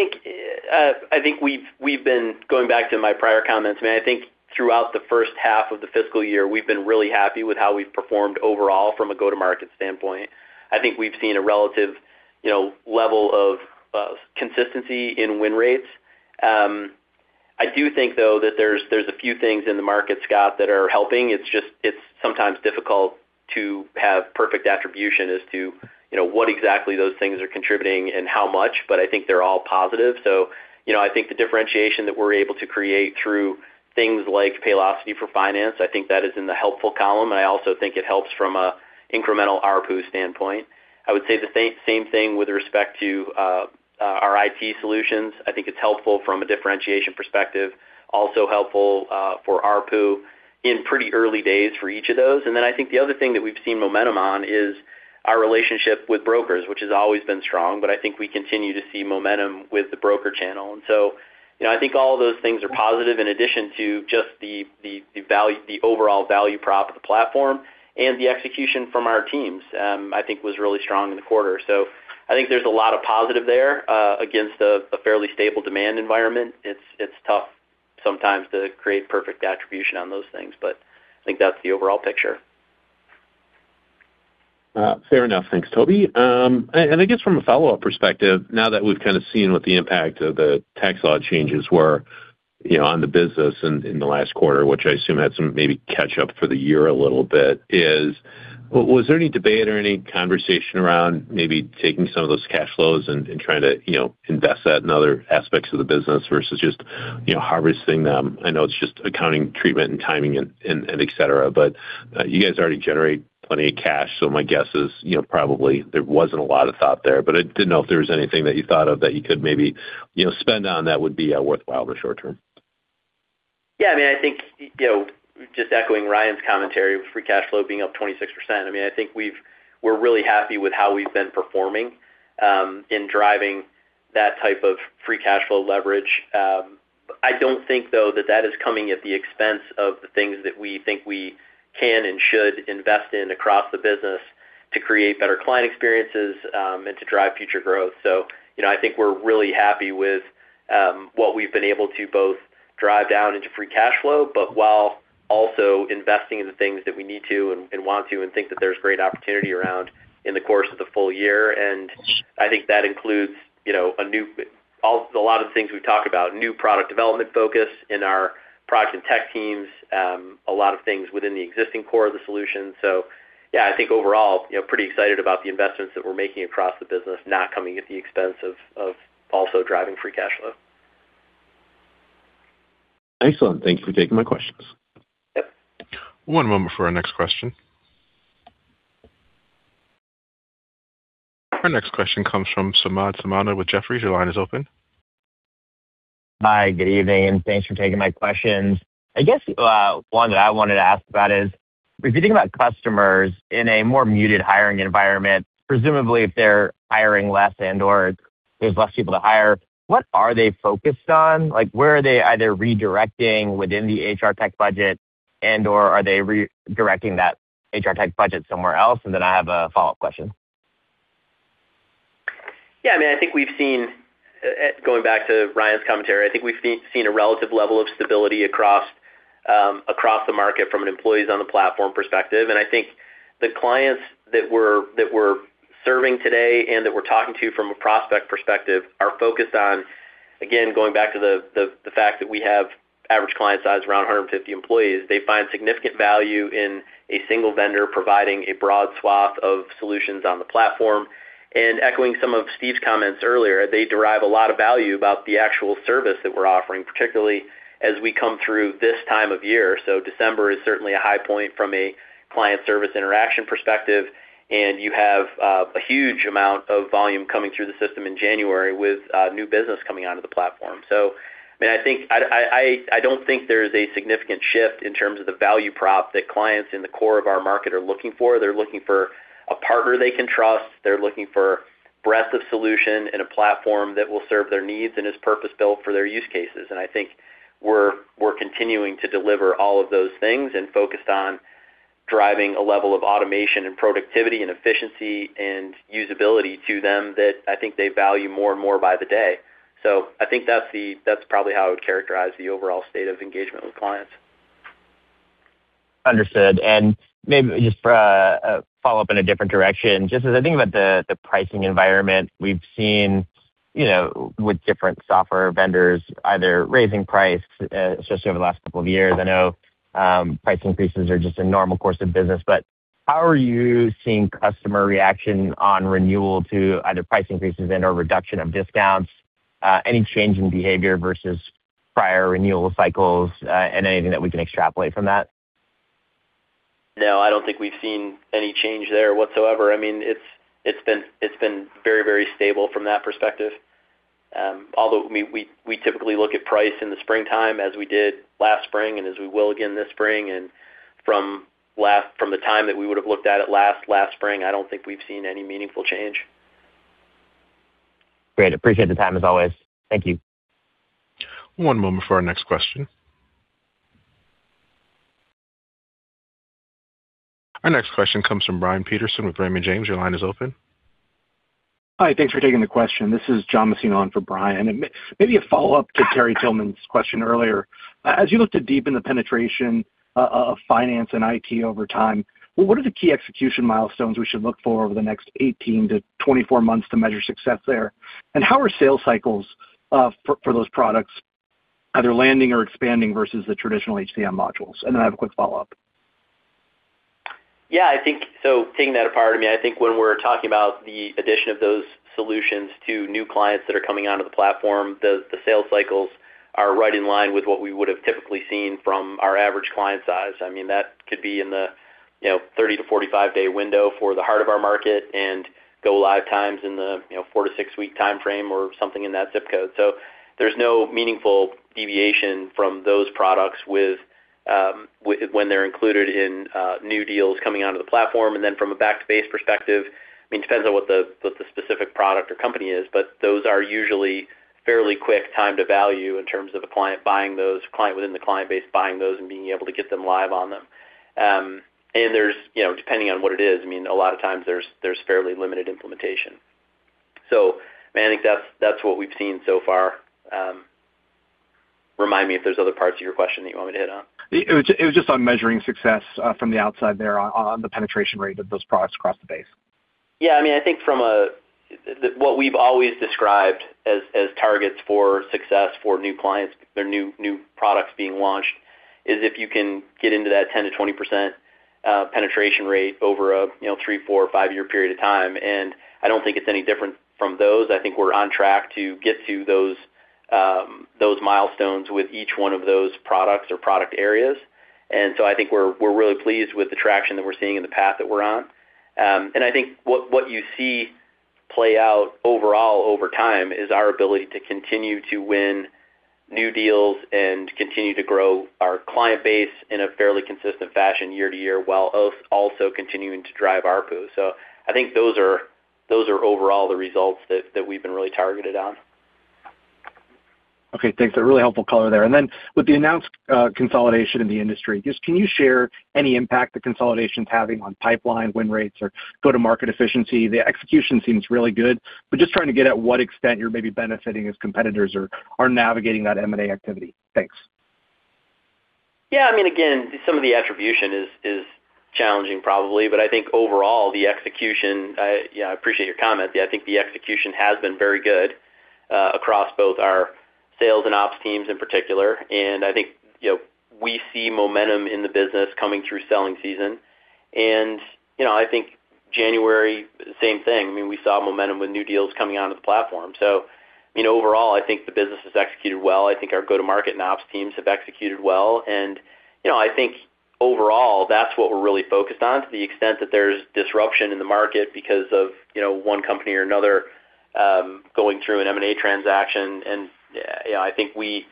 think we've been going back to my prior comments. I mean, I think throughout the H1 of the fiscal year, we've been really happy with how we've performed overall from a go-to-market standpoint. I think we've seen a relative level of consistency in win rates. I do think, though, that there's a few things in the market, Scott, that are helping. It's sometimes difficult to have perfect attribution as to what exactly those things are contributing and how much, but I think they're all positive. So I think the differentiation that we're able to create through things like Paylocity for Finance, I think that is in the helpful column, and I also think it helps from an incremental ARPU standpoint. I would say the same thing with respect to our IT solutions. I think it's helpful from a differentiation perspective, also helpful for ARPU in pretty early days for each of those. And then I think the other thing that we've seen momentum on is our relationship with brokers, which has always been strong, but I think we continue to see momentum with the broker channel. And so I think all of those things are positive in addition to just the overall value prop of the platform and the execution from our teams, I think, was really strong in the quarter. So I think there's a lot of positive there against a fairly stable demand environment. It's tough sometimes to create perfect attribution on those things, but I think that's the overall picture. Fair enough. Thanks, Toby. I guess from a follow-up perspective, now that we've kind of seen what the impact of the tax law changes were on the business in the last quarter, which I assume had some maybe catch-up for the year a little bit, was there any debate or any conversation around maybe taking some of those cash flows and trying to invest that in other aspects of the business versus just harvesting them? I know it's just accounting, treatment, and timing, etc., but you guys already generate plenty of cash, so my guess is probably there wasn't a lot of thought there. But I didn't know if there was anything that you thought of that you could maybe spend on that would be worthwhile in the short term. Yeah. I mean, I think just echoing Ryan's commentary, free cash flow being up 26%, I mean, I think we're really happy with how we've been performing in driving that type of free cash flow leverage. I don't think, though, that that is coming at the expense of the things that we think we can and should invest in across the business to create better client experiences and to drive future growth. So I think we're really happy with what we've been able to both drive down into free cash flow but while also investing in the things that we need to and want to and think that there's great opportunity around in the course of the full year. I think that includes a lot of the things we've talked about, new product development focus in our product and tech teams, a lot of things within the existing core of the solution. Yeah, I think overall, pretty excited about the investments that we're making across the business, not coming at the expense of also driving Free Cash Flow. Excellent. Thank you for taking my questions. Yep. One moment for our next question. Our next question comes from Samad Samana with Jefferies. Your line is open. Hi. Good evening, and thanks for taking my questions. I guess one that I wanted to ask about is, if you think about customers in a more muted hiring environment, presumably if they're hiring less and/or there's less people to hire, what are they focused on? Where are they either redirecting within the HR tech budget and/or are they redirecting that HR tech budget somewhere else? And then I have a follow-up question. Yeah. I mean, I think we've seen, going back to Ryan's commentary, I think we've seen a relative level of stability across the market from an employees-on-the-platform perspective. And I think the clients that we're serving today and that we're talking to from a prospect perspective are focused on, again, going back to the fact that we have average client size around 150 employees. They find significant value in a single vendor providing a broad swath of solutions on the platform. And echoing some of Steve's comments earlier, they derive a lot of value about the actual service that we're offering, particularly as we come through this time of year. So December is certainly a high point from a client service interaction perspective, and you have a huge amount of volume coming through the system in January with new business coming onto the platform. So I mean, I don't think there's a significant shift in terms of the value prop that clients in the core of our market are looking for. They're looking for a partner they can trust. They're looking for breadth of solution and a platform that will serve their needs and is purpose-built for their use cases. And I think we're continuing to deliver all of those things and focused on driving a level of automation and productivity and efficiency and usability to them that I think they value more and more by the day. So I think that's probably how I would characterize the overall state of engagement with clients. Understood. And maybe just a follow-up in a different direction. Just as I think about the pricing environment, we've seen with different software vendors either raising prices, especially over the last couple of years. I know price increases are just a normal course of business, but how are you seeing customer reaction on renewal to either price increases and/or reduction of discounts, any change in behavior versus prior renewal cycles, and anything that we can extrapolate from that? No. I don't think we've seen any change there whatsoever. I mean, it's been very, very stable from that perspective. Although I mean, we typically look at price in the springtime as we did last spring and as we will again this spring. From the time that we would have looked at it last, last spring, I don't think we've seen any meaningful change. Great. Appreciate the time as always. Thank you. One moment for our next question. Our next question comes from Brian Peterson with Raymond James. Your line is open. Hi. Thanks for taking the question. This is John Messina for Brian. Maybe a follow-up to Terry Tillman's question earlier. As you look to deepen the penetration of finance and IT over time, what are the key execution milestones we should look for over the next 18-24 months to measure success there? And how are sales cycles for those products either landing or expanding versus the traditional HCM modules? And then I have a quick follow-up. Yeah. So taking that apart. I mean, I think when we're talking about the addition of those solutions to new clients that are coming onto the platform, the sales cycles are right in line with what we would have typically seen from our average client size. I mean, that could be in the 30 to 45 day window for the heart of our market and go live times in the 4 to 6 week timeframe or something in that zip code. So there's no meaningful deviation from those products when they're included in new deals coming onto the platform. And then from a back-to-base perspective, I mean, it depends on what the specific product or company is, but those are usually fairly quick time-to-value in terms of a client buying those, client within the client base buying those and being able to get them live on them. Depending on what it is, I mean, a lot of times, there's fairly limited implementation. I mean, I think that's what we've seen so far. Remind me if there's other parts of your question that you want me to hit on. It was just on measuring success from the outside there on the penetration rate of those products across the base. Yeah. I mean, I think from what we've always described as targets for success for new clients, their new products being launched, is if you can get into that 10%-20% penetration rate over a three, four, five-year period of time. And I don't think it's any different from those. I think we're on track to get to those milestones with each one of those products or product areas. And so I think we're really pleased with the traction that we're seeing in the path that we're on. And I think what you see play out overall over time is our ability to continue to win new deals and continue to grow our client base in a fairly consistent fashion year to year while also continuing to drive ARPU. So I think those are overall the results that we've been really targeted on. Okay. Thanks. That really helpful color there. And then with the announced consolidation in the industry, just can you share any impact the consolidation's having on pipeline, win rates, or go-to-market efficiency? The execution seems really good, but just trying to get at what extent you're maybe benefiting as competitors or are navigating that M&A activity. Thanks. Yeah. I mean, again, some of the attribution is challenging probably, but I think overall, the execution yeah, I appreciate your comment. I think the execution has been very good across both our sales and ops teams in particular. I think we see momentum in the business coming through selling season. I think January, same thing. I mean, we saw momentum with new deals coming onto the platform. So overall, I think the business has executed well. I think our go-to-market and ops teams have executed well. I think overall, that's what we're really focused on, to the extent that there's disruption in the market because of one company or another going through an M&A transaction. I think we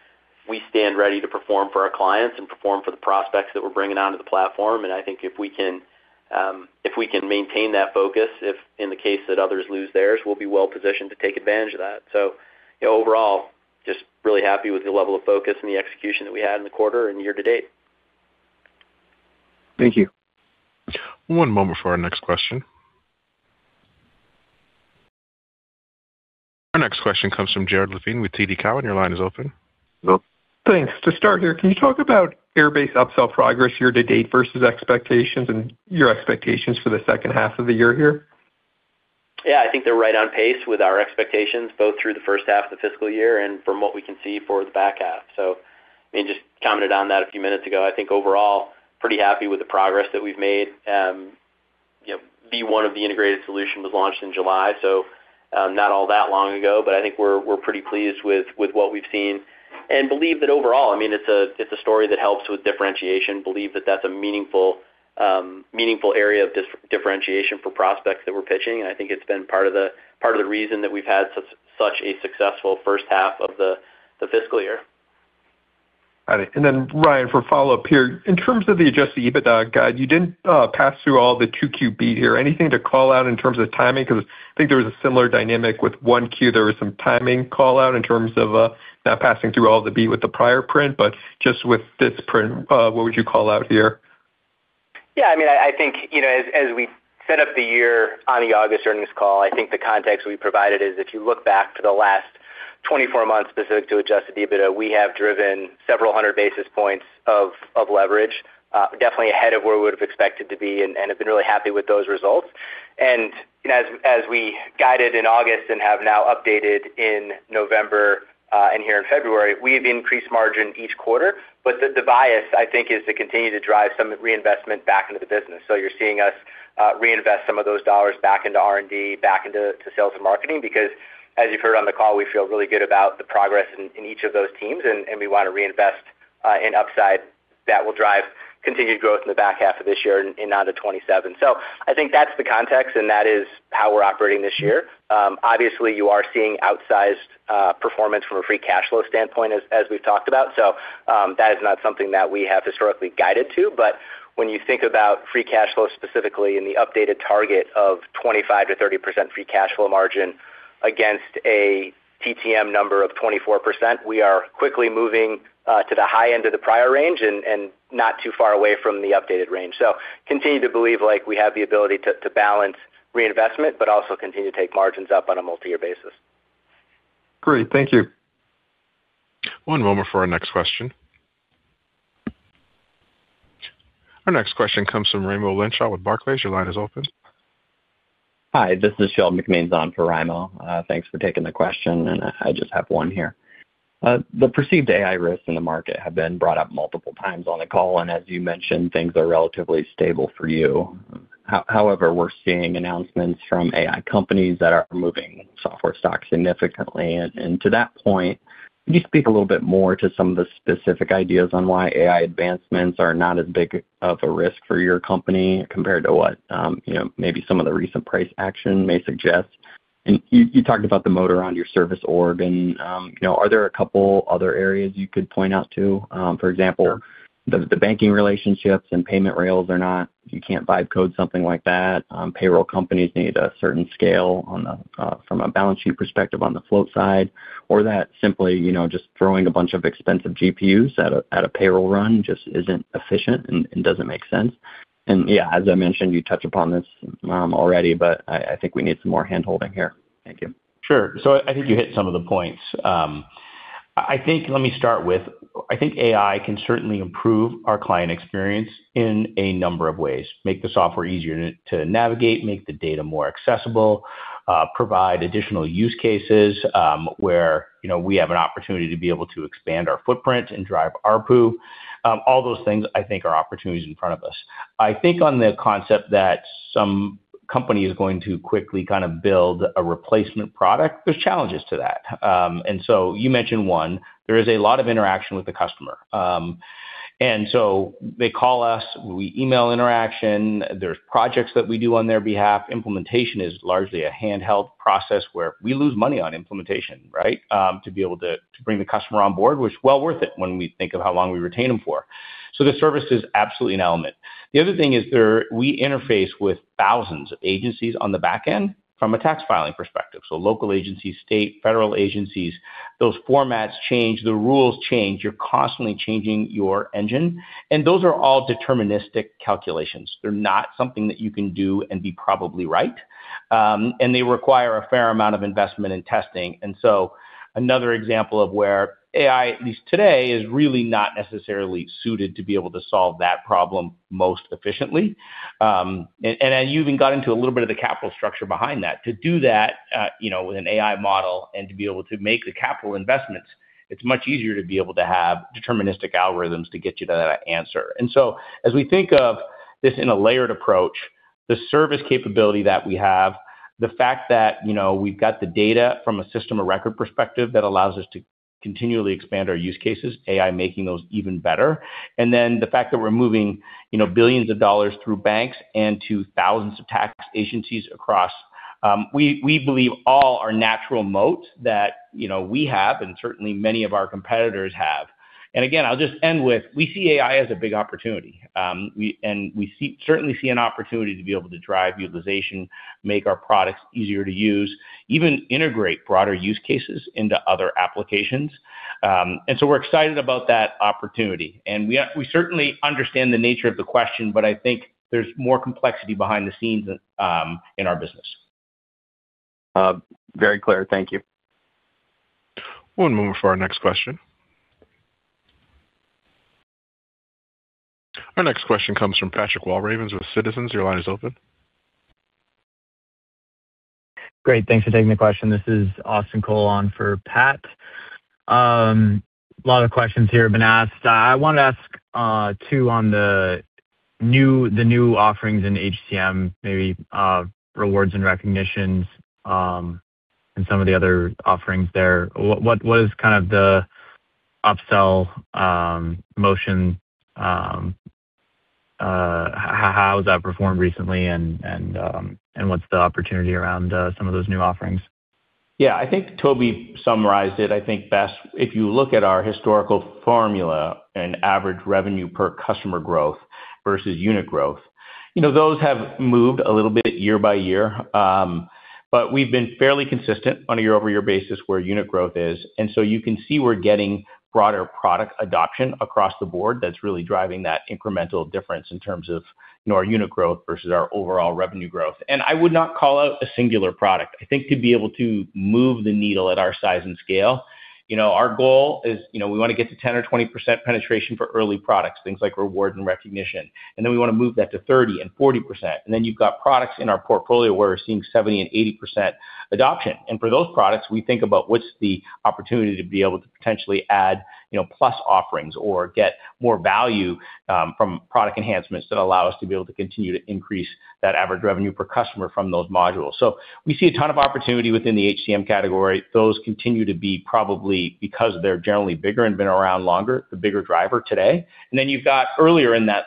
stand ready to perform for our clients and perform for the prospects that we're bringing onto the platform. I think if we can maintain that focus, if in the case that others lose theirs, we'll be well-positioned to take advantage of that. Overall, just really happy with the level of focus and the execution that we had in the quarter and year to date. Thank you. One moment for our next question. Our next question comes from Jared Levine with TD Cowen. Your line is open. Thanks. To start here, can you talk about Airbase upsell progress year to date versus expectations and your expectations for the H2 of the year here? Yeah. I think they're right on pace with our expectations both through the H1 of the fiscal year and from what we can see for the back half. So I mean, I just commented on that a few minutes ago. I think overall, pretty happy with the progress that we've made. V1 of the integrated solution was launched in July, so not all that long ago, but I think we're pretty pleased with what we've seen. And believe that overall, I mean, it's a story that helps with differentiation. Believe that that's a meaningful area of differentiation for prospects that we're pitching. And I think it's been part of the reason that we've had such a successful H1 of the fiscal year. Got it. And then Ryan, for follow-up here, in terms of the adjusted EBITDA guide, you didn't pass through all the 2Q beat here. Anything to call out in terms of timing? Because I think there was a similar dynamic with 1Q, there was some timing callout in terms of not passing through all of the beat with the prior print, but just with this print, what would you call out here? Yeah. I mean, I think as we set up the year on the August earnings call, I think the context we provided is if you look back to the last 24 months specific to Adjusted EBITDA, we have driven several hundred basis points of leverage, definitely ahead of where we would have expected to be, and have been really happy with those results. And as we guided in August and have now updated in November and here in February, we've increased margin each quarter. But the bias, I think, is to continue to drive some reinvestment back into the business. So you're seeing us reinvest some of those dollars back into R&D, back into sales and marketing because, as you've heard on the call, we feel really good about the progress in each of those teams, and we want to reinvest in upside that will drive continued growth in the back half of this year and on to 2027. So I think that's the context, and that is how we're operating this year. Obviously, you are seeing outsized performance from a free cash flow standpoint as we've talked about. So that is not something that we have historically guided to. But when you think about free cash flow specifically and the updated target of 25%-30% free cash flow margin against a TTM number of 24%, we are quickly moving to the high end of the prior range and not too far away from the updated range. Continue to believe we have the ability to balance reinvestment but also continue to take margins up on a multi-year basis. Great. Thank you. One moment for our next question. Our next question comes from Raimo Lenschow with Barclays. Your line is open. Hi. This is Sean McMahon for Raimo. Thanks for taking the question, and I just have one here. The perceived AI risks in the market have been brought up multiple times on the call, and as you mentioned, things are relatively stable for you. However, we're seeing announcements from AI companies that are moving software stocks significantly. To that point, could you speak a little bit more to some of the specific ideas on why AI advancements are not as big of a risk for your company compared to what maybe some of the recent price action may suggest? You talked about the moat on your service org. Are there a couple other areas you could point out to? For example, the banking relationships and payment rails are not. You can't write code something like that. Payroll companies need a certain scale from a balance sheet perspective on the float side, or that simply just throwing a bunch of expensive GPUs at a payroll run just isn't efficient and doesn't make sense. And yeah, as I mentioned, you touched upon this already, but I think we need some more handholding here. Thank you. Sure. So I think you hit some of the points. Let me start with I think AI can certainly improve our client experience in a number of ways, make the software easier to navigate, make the data more accessible, provide additional use cases where we have an opportunity to be able to expand our footprint and drive ARPU. All those things, I think, are opportunities in front of us. I think on the concept that some company is going to quickly kind of build a replacement product, there's challenges to that. So you mentioned one. There is a lot of interaction with the customer. They call us. We email interaction. There are projects that we do on their behalf. Implementation is largely a handheld process where we lose money on implementation, right, to be able to bring the customer on board, which, well, worth it when we think of how long we retain them for. So the service is absolutely an element. The other thing is we interface with thousands of agencies on the back end from a tax filing perspective, so local agencies, state, federal agencies. Those formats change. The rules change. You are constantly changing your engine. And those are all deterministic calculations. They are not something that you can do and be probably right. And they require a fair amount of investment and testing. Another example of where AI, at least today, is really not necessarily suited to be able to solve that problem most efficiently. You've even gotten into a little bit of the capital structure behind that. To do that with an AI model and to be able to make the capital investments, it's much easier to be able to have deterministic algorithms to get you to that answer. As we think of this in a layered approach, the service capability that we have, the fact that we've got the data from a system of record perspective that allows us to continually expand our use cases, AI making those even better, and then the fact that we're moving billions of dollars through banks and to thousands of tax agencies across, we believe, all are natural moats that we have and certainly many of our competitors have. And again, I'll just end with we see AI as a big opportunity, and we certainly see an opportunity to be able to drive utilization, make our products easier to use, even integrate broader use cases into other applications. And so we're excited about that opportunity. And we certainly understand the nature of the question, but I think there's more complexity behind the scenes in our business. Very clear. Thank you. One moment for our next question. Our next question comes from Patrick Walravens with Citizens. Your line is open. Great. Thanks for taking the question. This is Austin Cole on for Pat. A lot of questions here have been asked. I want to ask two on the new offerings in HCM, maybe rewards and recognitions and some of the other offerings there. What is kind of the upsell motion? How has that performed recently, and what's the opportunity around some of those new offerings? Yeah. I think Toby summarized it. I think best if you look at our historical formula and average revenue per customer growth versus unit growth, those have moved a little bit year by year. But we've been fairly consistent on a year-over-year basis where unit growth is. And so you can see we're getting broader product adoption across the board that's really driving that incremental difference in terms of our unit growth versus our overall revenue growth. And I would not call out a singular product. I think to be able to move the needle at our size and scale, our goal is we want to get to 10% or 20% penetration for early products, things like reward and recognition. And then we want to move that to 30% and 40%. And then you've got products in our portfolio where we're seeing 70% and 80% adoption. And for those products, we think about what's the opportunity to be able to potentially add plus offerings or get more value from product enhancements that allow us to be able to continue to increase that average revenue per customer from those modules. So we see a ton of opportunity within the HCM category. Those continue to be probably because they're generally bigger and been around longer, the bigger driver today. And then you've got earlier in that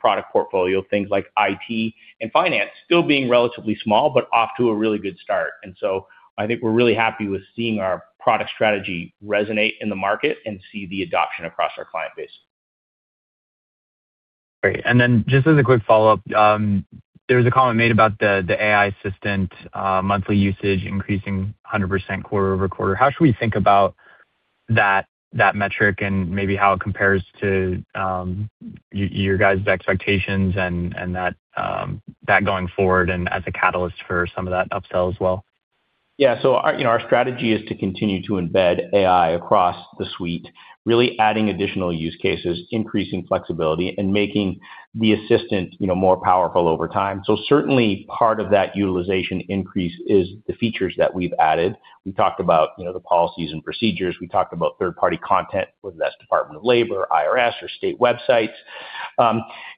product portfolio, things like IT and finance, still being relatively small but off to a really good start. And so I think we're really happy with seeing our product strategy resonate in the market and see the adoption across our client base. Great. And then just as a quick follow-up, there was a comment made about the AI assistant monthly usage increasing 100% QoQ. How should we think about that metric and maybe how it compares to your guys' expectations and that going forward and as a catalyst for some of that upsell as well? Yeah. So our strategy is to continue to embed AI across the suite, really adding additional use cases, increasing flexibility, and making the assistant more powerful over time. So certainly, part of that utilization increase is the features that we've added. We talked about the policies and procedures. We talked about third-party content, whether that's Department of Labor, IRS, or state websites,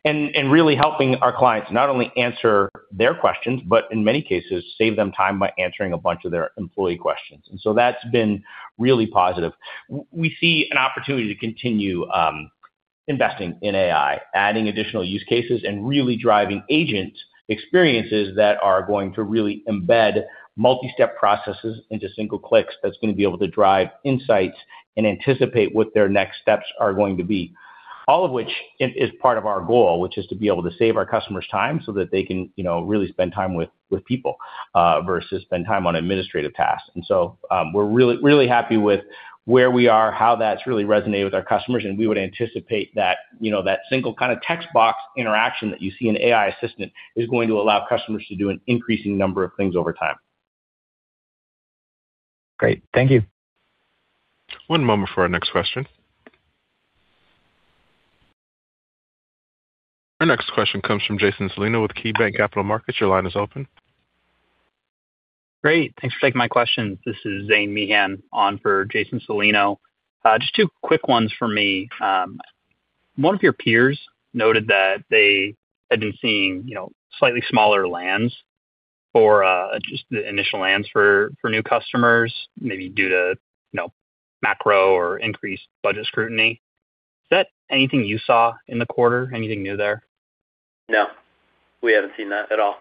and really helping our clients not only answer their questions but, in many cases, save them time by answering a bunch of their employee questions. And so that's been really positive. We see an opportunity to continue investing in AI, adding additional use cases, and really driving agent experiences that are going to really embed multi-step processes into single clicks that's going to be able to drive insights and anticipate what their next steps are going to be, all of which is part of our goal, which is to be able to save our customers' time so that they can really spend time with people versus spend time on administrative tasks. And so we're really happy with where we are, how that's really resonated with our customers. And we would anticipate that single kind of textbox interaction that you see in AI assistant is going to allow customers to do an increasing number of things over time. Great. Thank you. One moment for our next question. Our next question comes from Jason Celino with KeyBanc Capital Markets. Your line is open. Great. Thanks for taking my questions. This is Zane Meehan on for Jason Celino. Just two quick ones from me. One of your peers noted that they had been seeing slightly smaller lands or just the initial lands for new customers, maybe due to macro or increased budget scrutiny. Is that anything you saw in the quarter, anything new there? No. We haven't seen that at all.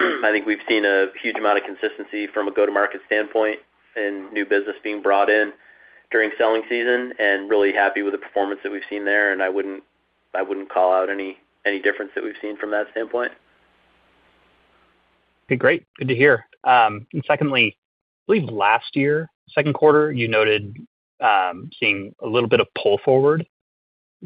I think we've seen a huge amount of consistency from a go-to-market standpoint and new business being brought in during selling season and really happy with the performance that we've seen there. I wouldn't call out any difference that we've seen from that standpoint. Okay. Great. Good to hear. Secondly, I believe last year, Q2, you noted seeing a little bit of pull forward.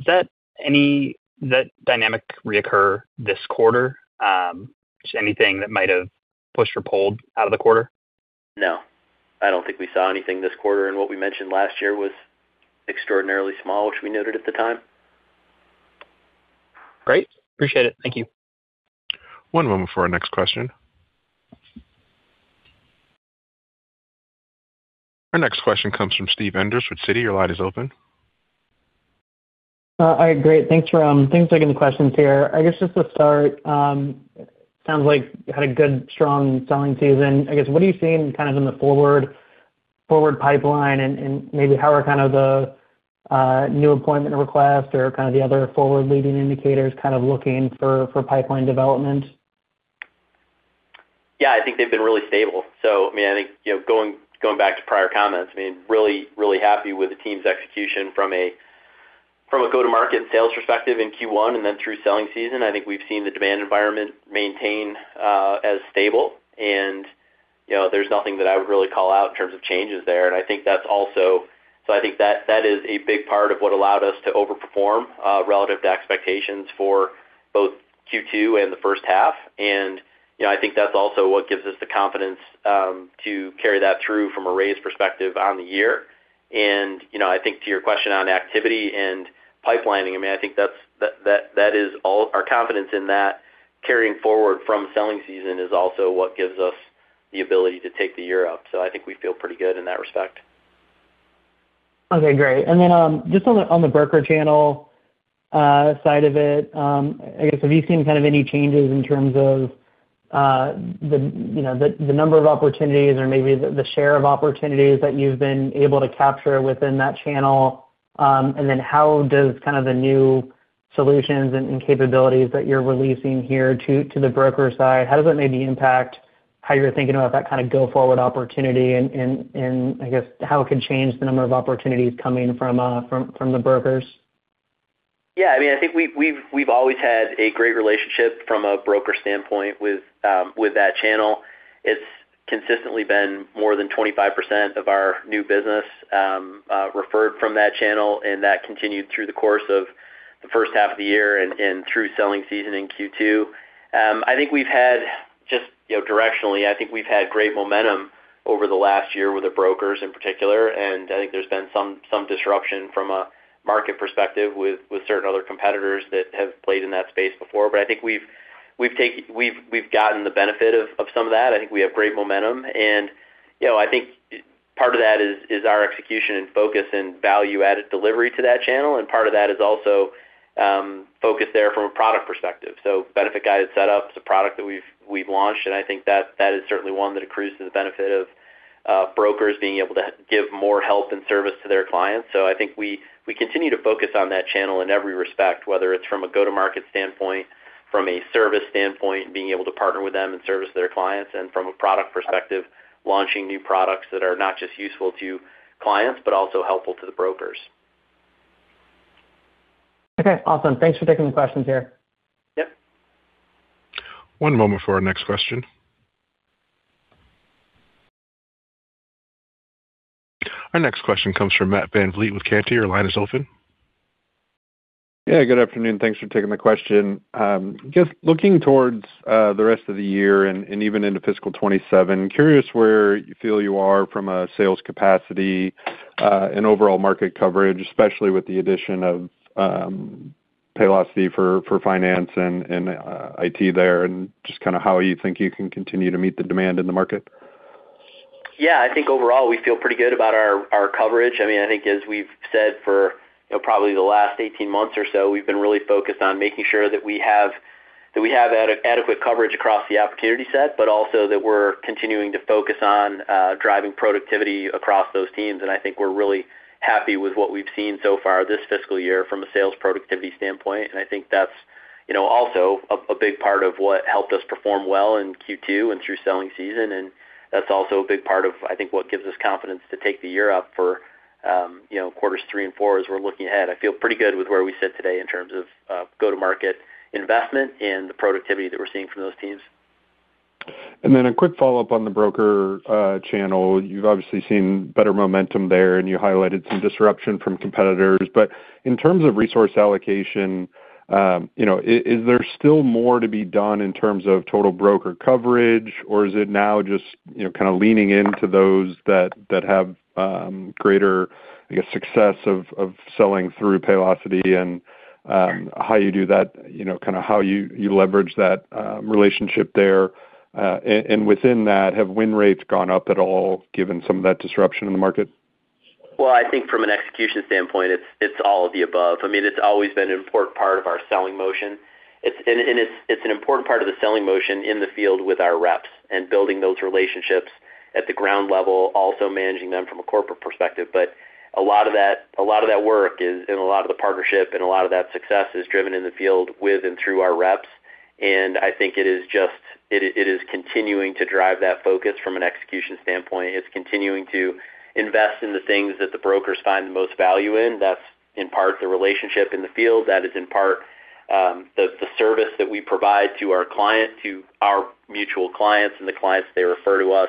Did that dynamic reoccur this quarter? Just anything that might have pushed or pulled out of the quarter? No. I don't think we saw anything this quarter. And what we mentioned last year was extraordinarily small, which we noted at the time. Great. Appreciate it. Thank you. One moment for our next question. Our next question comes from Steve Enders with Citi. Your line is open. All right. Great. Thanks for getting the questions here. I guess just to start, it sounds like you had a good, strong selling season. I guess what are you seeing kind of in the forward pipeline, and maybe how are kind of the new appointment request or kind of the other forward-leading indicators kind of looking for pipeline development? Yeah. I think they've been really stable. So I mean, I think going back to prior comments, I mean, really, really happy with the team's execution from a go-to-market sales perspective in Q1 and then through selling season. I think we've seen the demand environment maintain as stable, and there's nothing that I would really call out in terms of changes there. And I think that's also so I think that is a big part of what allowed us to overperform relative to expectations for both Q2 and the H1. And I think that's also what gives us the confidence to carry that through from a raise perspective on the year. And I think to your question on activity and pipelining, I mean, I think that is all our confidence in that carrying forward from selling season is also what gives us the ability to take the year up. I think we feel pretty good in that respect. Okay. Great. And then just on the broker channel side of it, I guess have you seen kind of any changes in terms of the number of opportunities or maybe the share of opportunities that you've been able to capture within that channel? And then how does kind of the new solutions and capabilities that you're releasing here to the broker side, how does that maybe impact how you're thinking about that kind of go-forward opportunity, and I guess how it could change the number of opportunities coming from the brokers? Yeah. I mean, I think we've always had a great relationship from a broker standpoint with that channel. It's consistently been more than 25% of our new business referred from that channel, and that continued through the course of the H1 of the year and through selling season in Q2. I think we've had just directionally, I think we've had great momentum over the last year with the brokers in particular. I think there's been some disruption from a market perspective with certain other competitors that have played in that space before. But I think we've gotten the benefit of some of that. I think we have great momentum. I think part of that is our execution and focus and value-added delivery to that channel. Part of that is also focus there from a product perspective. Benefits-Guided Setup is a product that we've launched, and I think that is certainly one that accrues to the benefit of brokers being able to give more help and service to their clients. I think we continue to focus on that channel in every respect, whether it's from a go-to-market standpoint, from a service standpoint, being able to partner with them and service their clients, and from a product perspective, launching new products that are not just useful to clients but also helpful to the brokers. Okay. Awesome. Thanks for taking the questions here. Yep. One moment for our next question. Our next question comes from Matt VanVliet with Cantor. Your line is open. Yeah. Good afternoon. Thanks for taking the question. I guess looking towards the rest of the year and even into fiscal 2027, curious where you feel you are from a sales capacity and overall market coverage, especially with the addition of Paylocity for Finance and it there and just kind of how you think you can continue to meet the demand in the market. Yeah. I think overall, we feel pretty good about our coverage. I mean, I think as we've said for probably the last 18 months or so, we've been really focused on making sure that we have adequate coverage across the opportunity set but also that we're continuing to focus on driving productivity across those teams. And I think we're really happy with what we've seen so far this fiscal year from a sales productivity standpoint. And I think that's also a big part of what helped us perform well in Q2 and through selling season. And that's also a big part of, I think, what gives us confidence to take the year up for quarters three and four as we're looking ahead. I feel pretty good with where we sit today in terms of go-to-market investment and the productivity that we're seeing from those teams. And then a quick follow-up on the broker channel. You've obviously seen better momentum there, and you highlighted some disruption from competitors. But in terms of resource allocation, is there still more to be done in terms of total broker coverage, or is it now just kind of leaning into those that have greater, I guess, success of selling through Paylocity? And how you do that, kind of how you leverage that relationship there. And within that, have win rates gone up at all given some of that disruption in the market? Well, I think from an execution standpoint, it's all of the above. I mean, it's always been an important part of our selling motion. And it's an important part of the selling motion in the field with our reps and building those relationships at the ground level, also managing them from a corporate perspective. But a lot of that work and a lot of the partnership and a lot of that success is driven in the field with and through our reps. And I think it is just it is continuing to drive that focus from an execution standpoint. It's continuing to invest in the things that the brokers find the most value in. That's in part the relationship in the field. That is in part the service that we provide to our client, to our mutual clients, and the clients they refer to us.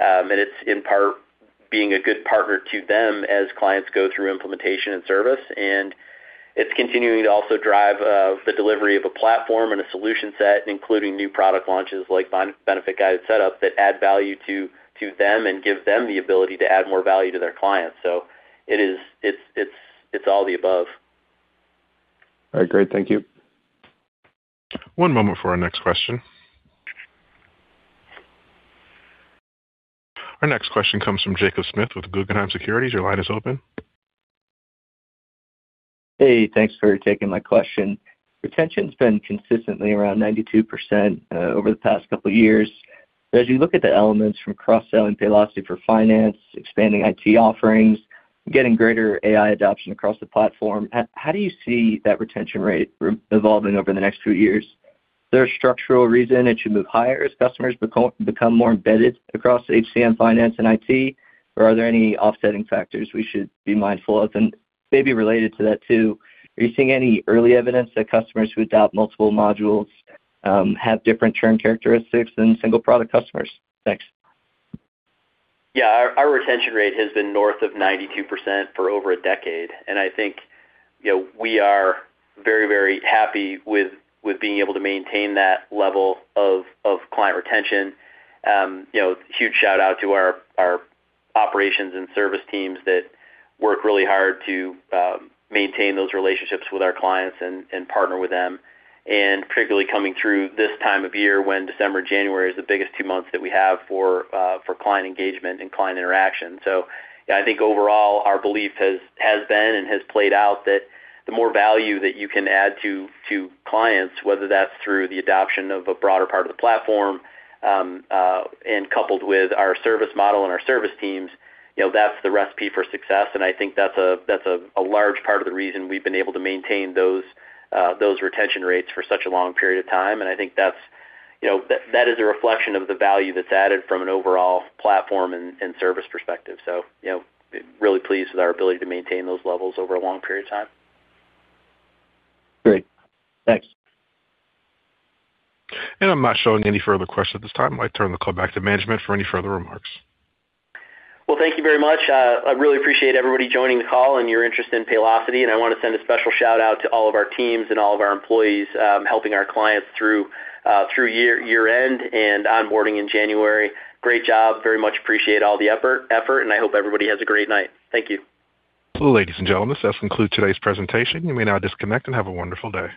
It's in part being a good partner to them as clients go through implementation and service. It's continuing to also drive the delivery of a platform and a solution set, including new product launches like Benefits-Guided Setup that add value to them and give them the ability to add more value to their clients. It's all the above. All right. Great. Thank you. One moment for our next question. Our next question comes from Jacob Smith with Guggenheim Securities. Your line is open. Hey. Thanks for taking my question. Retention's been consistently around 92% over the past couple of years. But as you look at the elements from cross-selling Paylocity for Finance, expanding IT offerings, getting greater AI adoption across the platform, how do you see that retention rate evolving over the next few years? Is there a structural reason it should move higher as customers become more embedded across HCM, finance, and IT, or are there any offsetting factors we should be mindful of? And maybe related to that too, are you seeing any early evidence that customers who adopt multiple modules have different churn characteristics than single-product customers? Thanks. Yeah. Our retention rate has been north of 92% for over a decade. I think we are very, very happy with being able to maintain that level of client retention. Huge shout-out to our operations and service teams that work really hard to maintain those relationships with our clients and partner with them, and particularly coming through this time of year when December and January are the biggest two months that we have for client engagement and client interaction. Yeah, I think overall, our belief has been and has played out that the more value that you can add to clients, whether that's through the adoption of a broader part of the platform and coupled with our service model and our service teams, that's the recipe for success. I think that's a large part of the reason we've been able to maintain those retention rates for such a long period of time. I think that is a reflection of the value that's added from an overall platform and service perspective. Really pleased with our ability to maintain those levels over a long period of time. Great. Thanks. I'm not showing any further questions at this time. I'll turn the call back to management for any further remarks. Well, thank you very much. I really appreciate everybody joining the call and your interest in Paylocity. I want to send a special shout-out to all of our teams and all of our employees helping our clients through year-end and onboarding in January. Great job. Very much appreciate all the effort, and I hope everybody has a great night. Thank you. Well, ladies and gentlemen, this does conclude today's presentation. You may now disconnect and have a wonderful day.